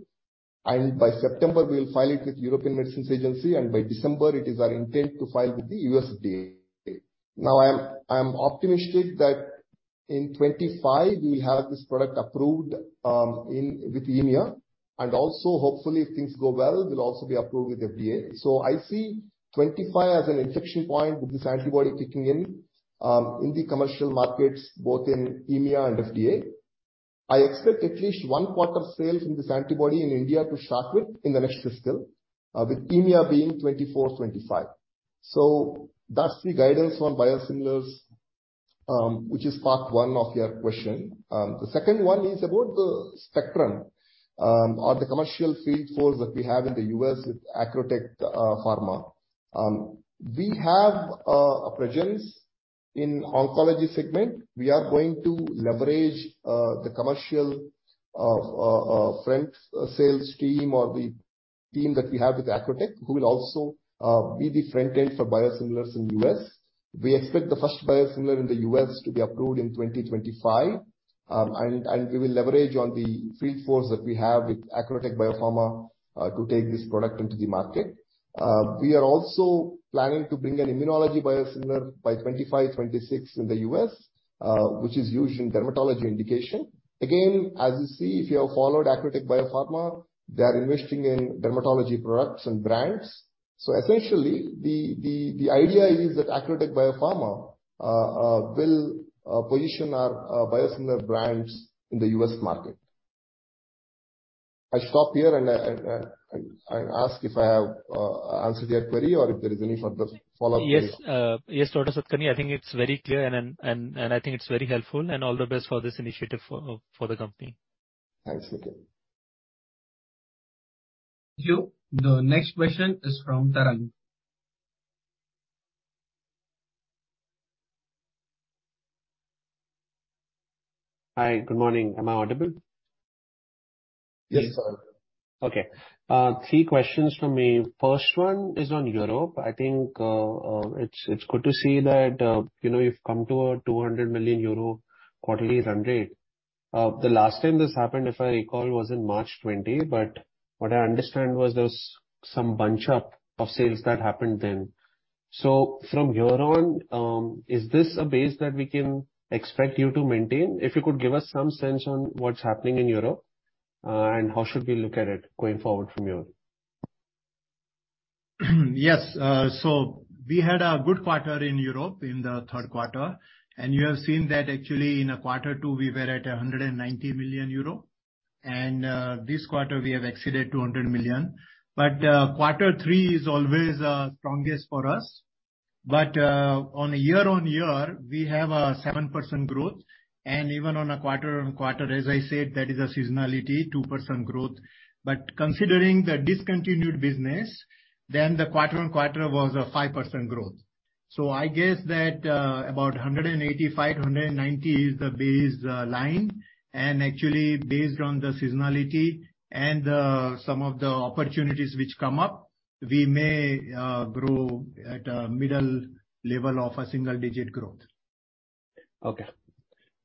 By September, we'll file it with European Medicines Agency, and by December it is our intent to file with the USFDA. I'm optimistic that in 2025 we'll have this product approved with EMEA. Hopefully, if things go well, we'll also be approved with FDA. I see 2025 as an inflection point with this antibody kicking in in the commercial markets, both in EMEA and FDA. I expect at least one quarter of sales in this antibody in India to start with in the next fiscal, with EMEA being 2024/2025. That's the guidance on biosimilars, which is part one of your question. The second one is about the spectrum, or the commercial field force that we have in the U.S. with Acrotech Biopharma. We have a presence in oncology segment. We are going to leverage the commercial front sales team or the team that we have with Acrotech, who will also be the front end for biosimilars in U.S. We expect the first biosimilar in the U.S. to be approved in 2025. We will leverage on the field force that we have with Acrotech Biopharma to take this product into the market. We are also planning to bring an immunology biosimilar by 2025-2026 in the U.S., which is used in dermatology indication. Again, as you see, if you have followed Acrotech Biopharma, they are investing in dermatology products and brands. Essentially the idea is that Acrotech Biopharma will position our biosimilar brands in the U.S. market. I stop here and I ask if I have answered your query or if there is any further follow-up query. Yes, yes, Dr. Satakarni, I think it's very clear and I think it's very helpful and all the best for this initiative for the company. Thanks, Nikhil. Thank you. The next question is from Tarang. Hi. Good morning. Am I audible? Yes. Okay. Three questions from me. First one is on Europe. I think, it's good to see that, you know, you've come to a 200 million euro quarterly run rate. The last time this happened, if I recall, was in March 20. What I understand was there was some bunch up of sales that happened then. From here on, is this a base that we can expect you to maintain? If you could give us some sense on what's happening in Europe, and how should we look at it going forward from here? Yes. We had a good quarter in Europe in the third quarter, and you have seen that actually in quarter two, we were at 190 million euro and this quarter we have exceeded 200 million. Quarter three is always strongest for us. On a year-on-year, we have a 7% growth and even on a quarter-on-quarter, as I said, that is a seasonality 2% growth. Considering the discontinued business, the quarter-on-quarter was a 5% growth. I guess that about 185-190 is the base line. Actually, based on the seasonality and some of the opportunities which come up, we may grow at a middle level of a single-digit growth. Okay.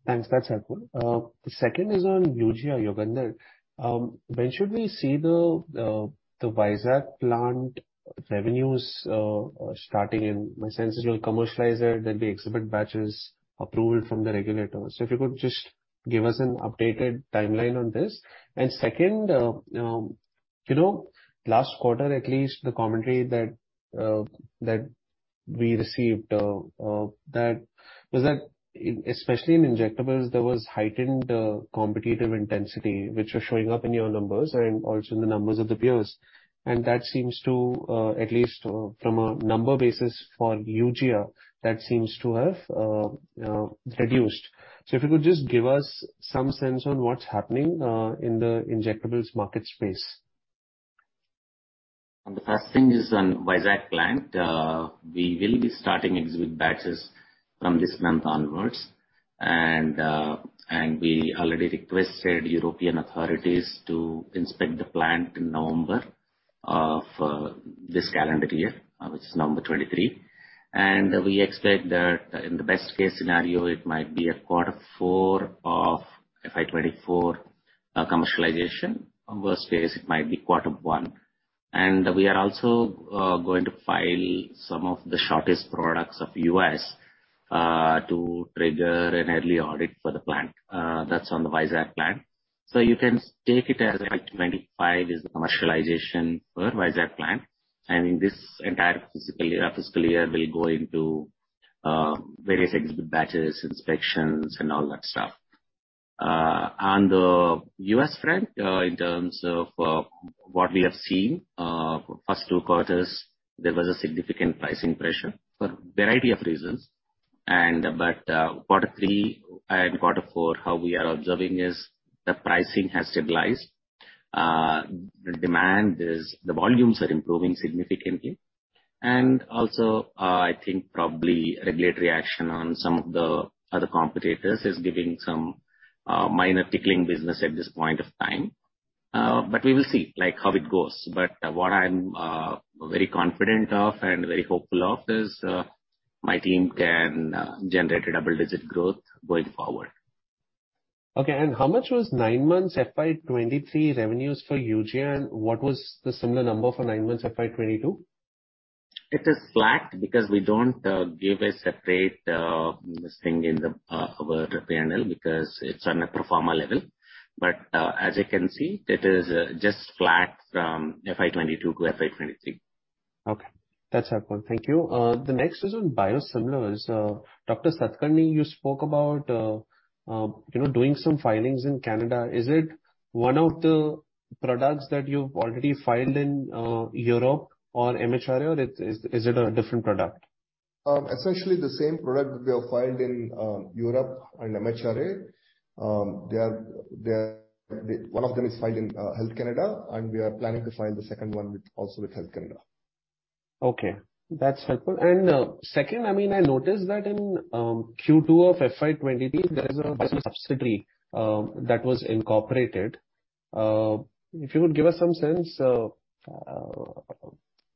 Thanks. That's helpful. Second is on Eugia or Yogendra. When should we see the Vizag plant revenues starting in? My sense is you'll commercialize it, there'll be exhibit batches approval from the regulators. If you could just give us an updated timeline on this. Second, you know, last quarter at least the commentary that we received that was that especially in injectables, there was heightened competitive intensity which was showing up in your numbers and also in the numbers of the peers. That seems to, at least, from a number basis for Eugia, that seems to have reduced. If you could just give us some sense on what's happening in the injectables market space. The first thing is on Vizag plant. We will be starting exhibit batches from this month onwards. We already requested European authorities to inspect the plant in November of this calendar year, which is November 2023. We expect that in the best case scenario, it might be a quarter four of FY 2024 commercialization. Worst case it might be quarter one. We are also going to file some of the shortest products of U.S. to trigger an early audit for the plant. That's on the Vizag plant. You can take it as FY 2025 is the commercialization for Vizag plant, and this entire fiscal year will go into various exhibit batches, inspections and all that stuff. On the U.S. front, in terms of what we have seen, first two quarters there was a significant pricing pressure for a variety of reasons. Quarter three and quarter four, how we are observing is the pricing has stabilized. The volumes are improving significantly. I think probably regulatory action on some of the other competitors is giving some minor tickling business at this point of time. We will see, like, how it goes. What I'm very confident of and very hopeful of is. My team can generate a double-digit growth going forward. Okay. How much was nine months FY 2023 revenues for Eugia, and what was the similar number for nine months FY 2022? It is flat because we don't give a separate thing in the our PNL because it's on a pro forma level. As you can see, it is just flat from FY 2022-FY 2023. Okay. That's helpful. Thank you. The next is on biosimilars. Dr. Satakarni, you spoke about, you know, doing some filings in Canada. Is it one of the products that you've already filed in Europe or MHRA or is it a different product? Essentially the same product we have filed in Europe and MHRA. One of them is filed in Health Canada. We are planning to file the second one with, also with Health Canada. Okay. That's helpful. Second, I mean, I noticed that in Q2 of FY 2023 there is a biosimilar subsidiary that was incorporated. If you would give us some sense,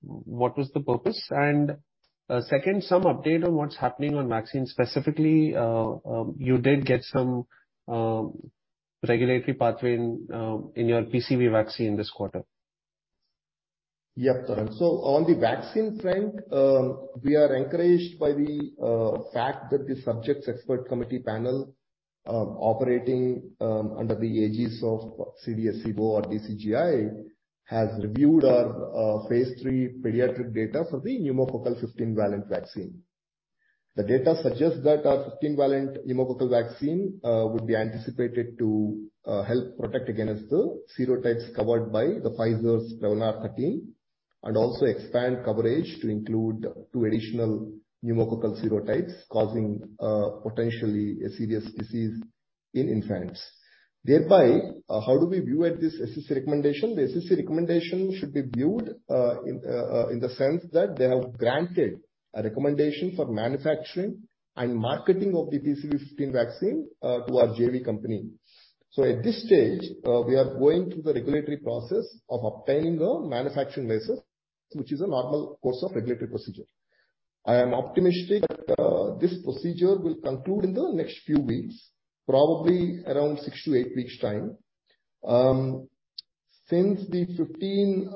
what was the purpose? Second, some update on what's happening on vaccines specifically. You did get some regulatory pathway in your PCV vaccine this quarter. Yep, Tarang. On the vaccine front, we are encouraged by the fact that the Subject Expert Committee panel, operating under the aegis of CDSCO or DCGI has reviewed our phase III pediatric data for the pneumococcal 15-valent vaccine. The data suggests that our 15-valent pneumococcal vaccine would be anticipated to help protect against the serotypes covered by Pfizer's Prevnar 13 and also expand coverage to include two additional pneumococcal serotypes causing potentially a serious disease in infants. How do we view at this SEC recommendation? The SEC recommendation should be viewed in the sense that they have granted a recommendation for manufacturing and marketing of the PCV 15 vaccine to our JV company. At this stage, we are going through the regulatory process of obtaining a manufacturing license, which is a normal course of regulatory procedure. I am optimistic that this procedure will conclude in the next few weeks, probably around six-eight weeks' time. Since the 15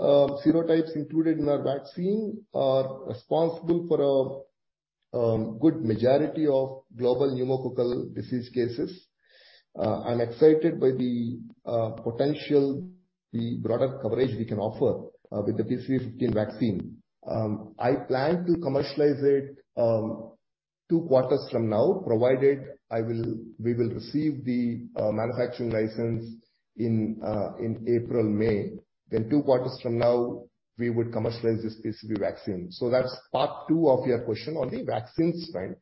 serotypes included in our vaccine are responsible for a good majority of global pneumococcal disease cases, I'm excited by the potential, the broader coverage we can offer with the PCV 15 vaccine. I plan to commercialize it two quarters from now, provided we will receive the manufacturing license in April/May. Two quarters from now, we would commercialize this PCV vaccine. That's part two of your question on the vaccines front.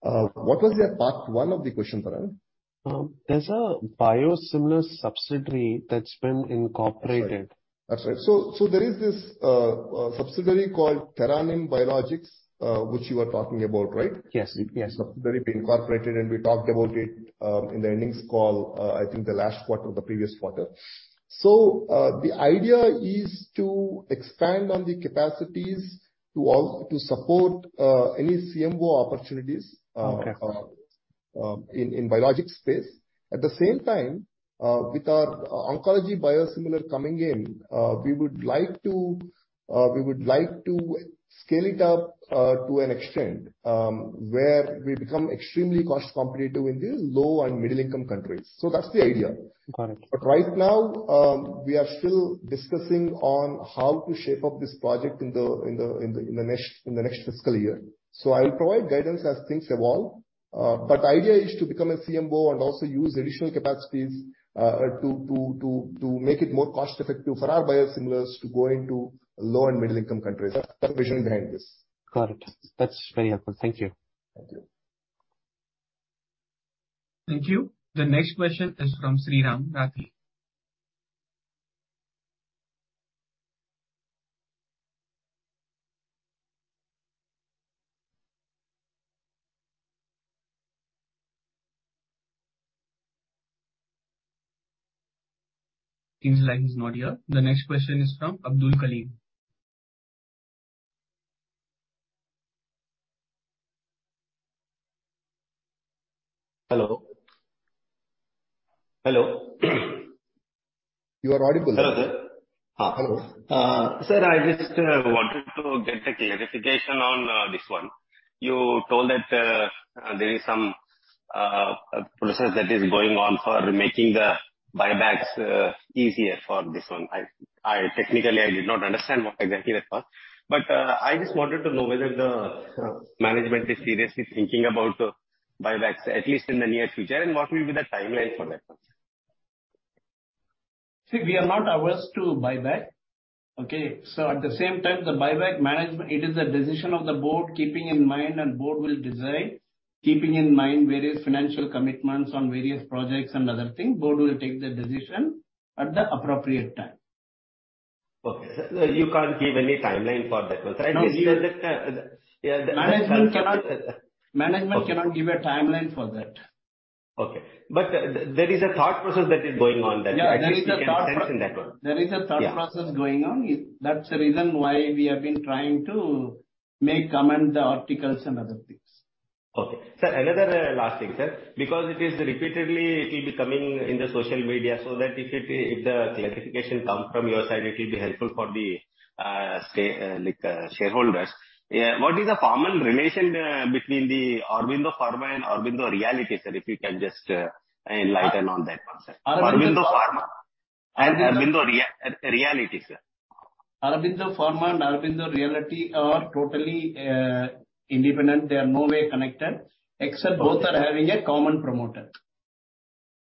What was your part one of the question, Tarang? There's a biosimilar subsidiary that's been incorporated. That's right. That's right. There is this subsidiary called TheraNym Biologics, which you are talking about, right? Yes. Yes. Subsidiary being incorporated, and we talked about it, in the earnings call, I think the last quarter or the previous quarter. The idea is to expand on the capacities to support any CMO opportunities. Okay. In biologics space. At the same time, with our oncology biosimilar coming in, we would like to scale it up to an extent where we become extremely cost competitive in the low and middle-income countries. That's the idea. Got it. Right now, we are still discussing on how to shape up this project in the next fiscal year. I'll provide guidance as things evolve. The idea is to become a CMO and also use additional capacities to make it more cost effective for our biosimilars to go into low and middle-income countries. That's the vision behind this. Got it. That's very helpful. Thank you. Thank you. Thank you. The next question is from Sriram Rathi. Seems like he's not here. The next question is from Abdul Kalim. Hello. Hello? You are audible now. Hello there. Hello. Sir, I just wanted to get a clarification on this one. You told that there is some process that is going on for making the buybacks easier for this one. I technically did not understand what exactly that was, but I just wanted to know whether the management is seriously thinking about the buybacks at least in the near future, and what will be the timeline for that one, sir? See, we are not averse to buyback. Okay? At the same time, the buyback management, it is the decision of the board, keeping in mind and board will decide, keeping in mind various financial commitments on various projects and other things. Board will take the decision at the appropriate time. Okay. You can't give any timeline for that one. Management cannot give a timeline for that. Okay. There is a thought process that is going on that- Yeah, there is a thought. At least we can sense in that one. There is a thought process going on. Yeah. That's the reason why we have been trying to make comment the Articles and other things. Okay. Sir, another last thing, sir, because it is repeatedly coming in the social media, so that if the clarification come from your side, it will be helpful for the shareholders. What is the formal relation between Aurobindo Pharma and Aurobindo Realty, sir? If you can just enlighten on that one, sir. Aurobindo Pharma. Aurobindo Pharma and Aurobindo Realty, sir. Aurobindo Pharma and Aurobindo Realty are totally independent. They are no way connected except- Okay. Both are having a common promoter.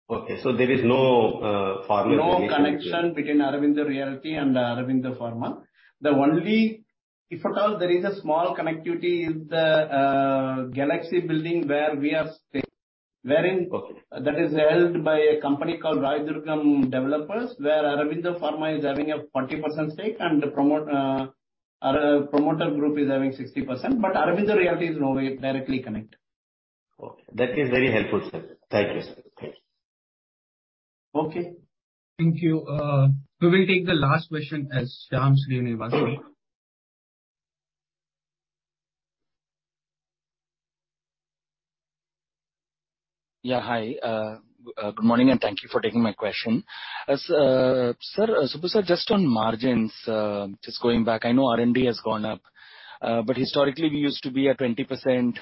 Okay. there is no formal connection. No connection between Aurobindo Realty and Aurobindo Pharma. The only, if at all, there is a small connectivity is the Galaxy building where we are. Okay. That is held by a company called Raidurgam Developers, where Aurobindo Pharma is having a 40% stake and the promoter group is having 60%. Aurobindo Realty is no way directly connected. Okay. That is very helpful, sir. Thank you, sir. Thanks. Okay. Thank you. We will take the last question as Shyam Srinivasan. Yeah. Hi. Good morning, thank you for taking my question. Sir, Subbu, sir, just on margins, just going back, I know R&D has gone up. Historically we used to be a 20%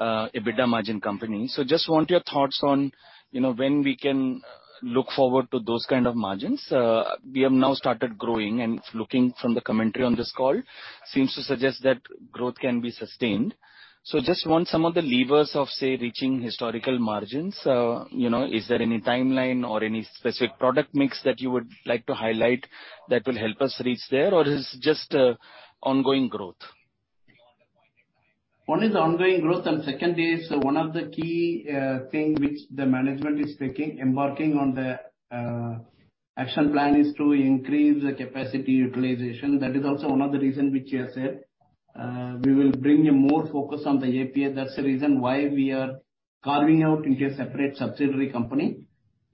EBITDA margin company. Just want your thoughts on, you know, when we can look forward to those kind of margins. We have now started growing and it's looking from the commentary on this call seems to suggest that growth can be sustained. Just want some of the levers of, say, reaching historical margins. You know, is there any timeline or any specific product mix that you would like to highlight that will help us reach there or is just ongoing growth? One is ongoing growth and second is one of the key thing which the management is taking, embarking on the action plan is to increase the capacity utilization. That is also one of the reason which he has said, we will bring a more focus on the API. That's the reason why we are carving out into a separate subsidiary company.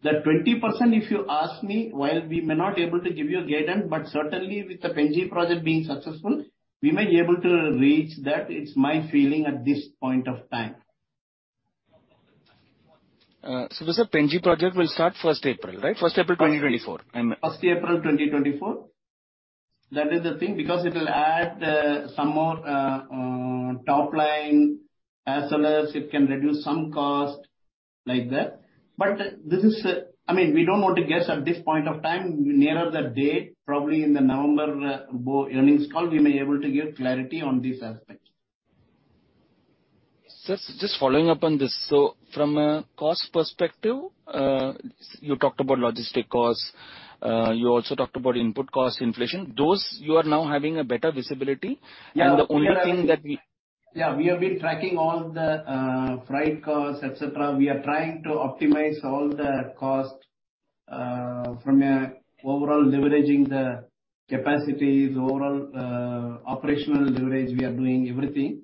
That 20%, if you ask me, while we may not able to give you a guidance, but certainly with the Penghi project being successful, we may able to reach that. It's my feeling at this point of time. Subbu, sir, Penghi project will start 1st April, right? 1st April 2024. 1st April 2024. That is the thing because it will add some more topline as well as it can reduce some cost like that. This is, I mean, we don't want to guess at this point of time. Nearer the date, probably in the November earnings call, we may able to give clarity on these aspects. Sir, just following up on this. From a cost perspective, you talked about logistic costs, you also talked about input cost inflation. Those you are now having a better visibility. Yeah. The only thing that Yeah. We have been tracking all the freight costs, et cetera. We are trying to optimize all the costs from a overall leveraging the capacities, overall operational leverage. We are doing everything.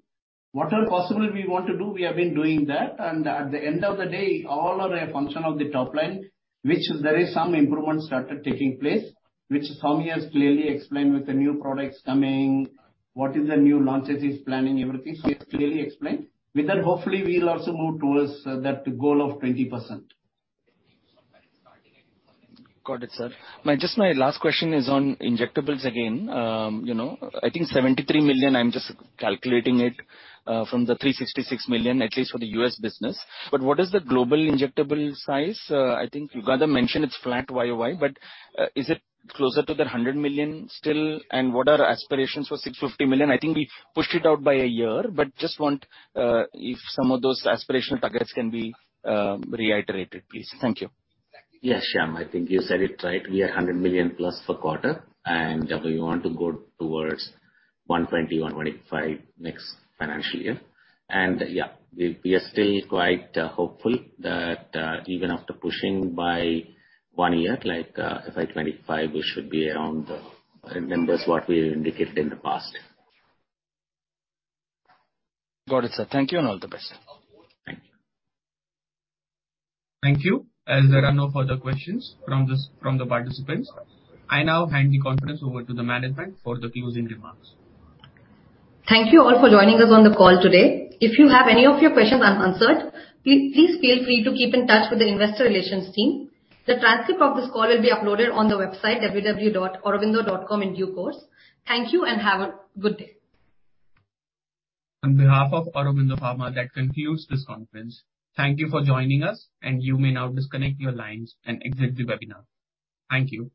Whatever possible we want to do, we have been doing that. At the end of the day, all are a function of the top line, which there is some improvement started taking place, which Swami has clearly explained with the new products coming, what is the new launches he's planning, everything. He's clearly explained. With that, hopefully we'll also move towards that goal of 20%. Got it, sir. Just my last question is on injectables again. you know, I think $73 million, I'm just calculating it, from the $366 million at least for the US business. What is the global injectable size? I think you rather mentioned it's flat YOY, but, is it closer to the $100 million still? What are aspirations for $650 million? I think we pushed it out by a year, but just want, if some of those aspirational targets can be, reiterated, please. Thank you. Yes, Shyam, I think you said it right. We are $100 million plus for quarter and we want to go towards $120 million-$125 million next financial year. Yeah, we are still quite hopeful that even after pushing by one year, like FY 2025, we should be around the numbers what we indicated in the past. Got it, sir. Thank you and all the best. Thank you. Thank you. As there are no further questions from the participants, I now hand the conference over to the management for the closing remarks. Thank you all for joining us on the call today. If you have any of your questions unanswered, please feel free to keep in touch with the investor relations team. The transcript of this call will be uploaded on the website www.aurobindo.com in due course. Thank you and have a good day. On behalf of Aurobindo Pharma, that concludes this conference. Thank you for joining us, and you may now disconnect your lines and exit the webinar. Thank you.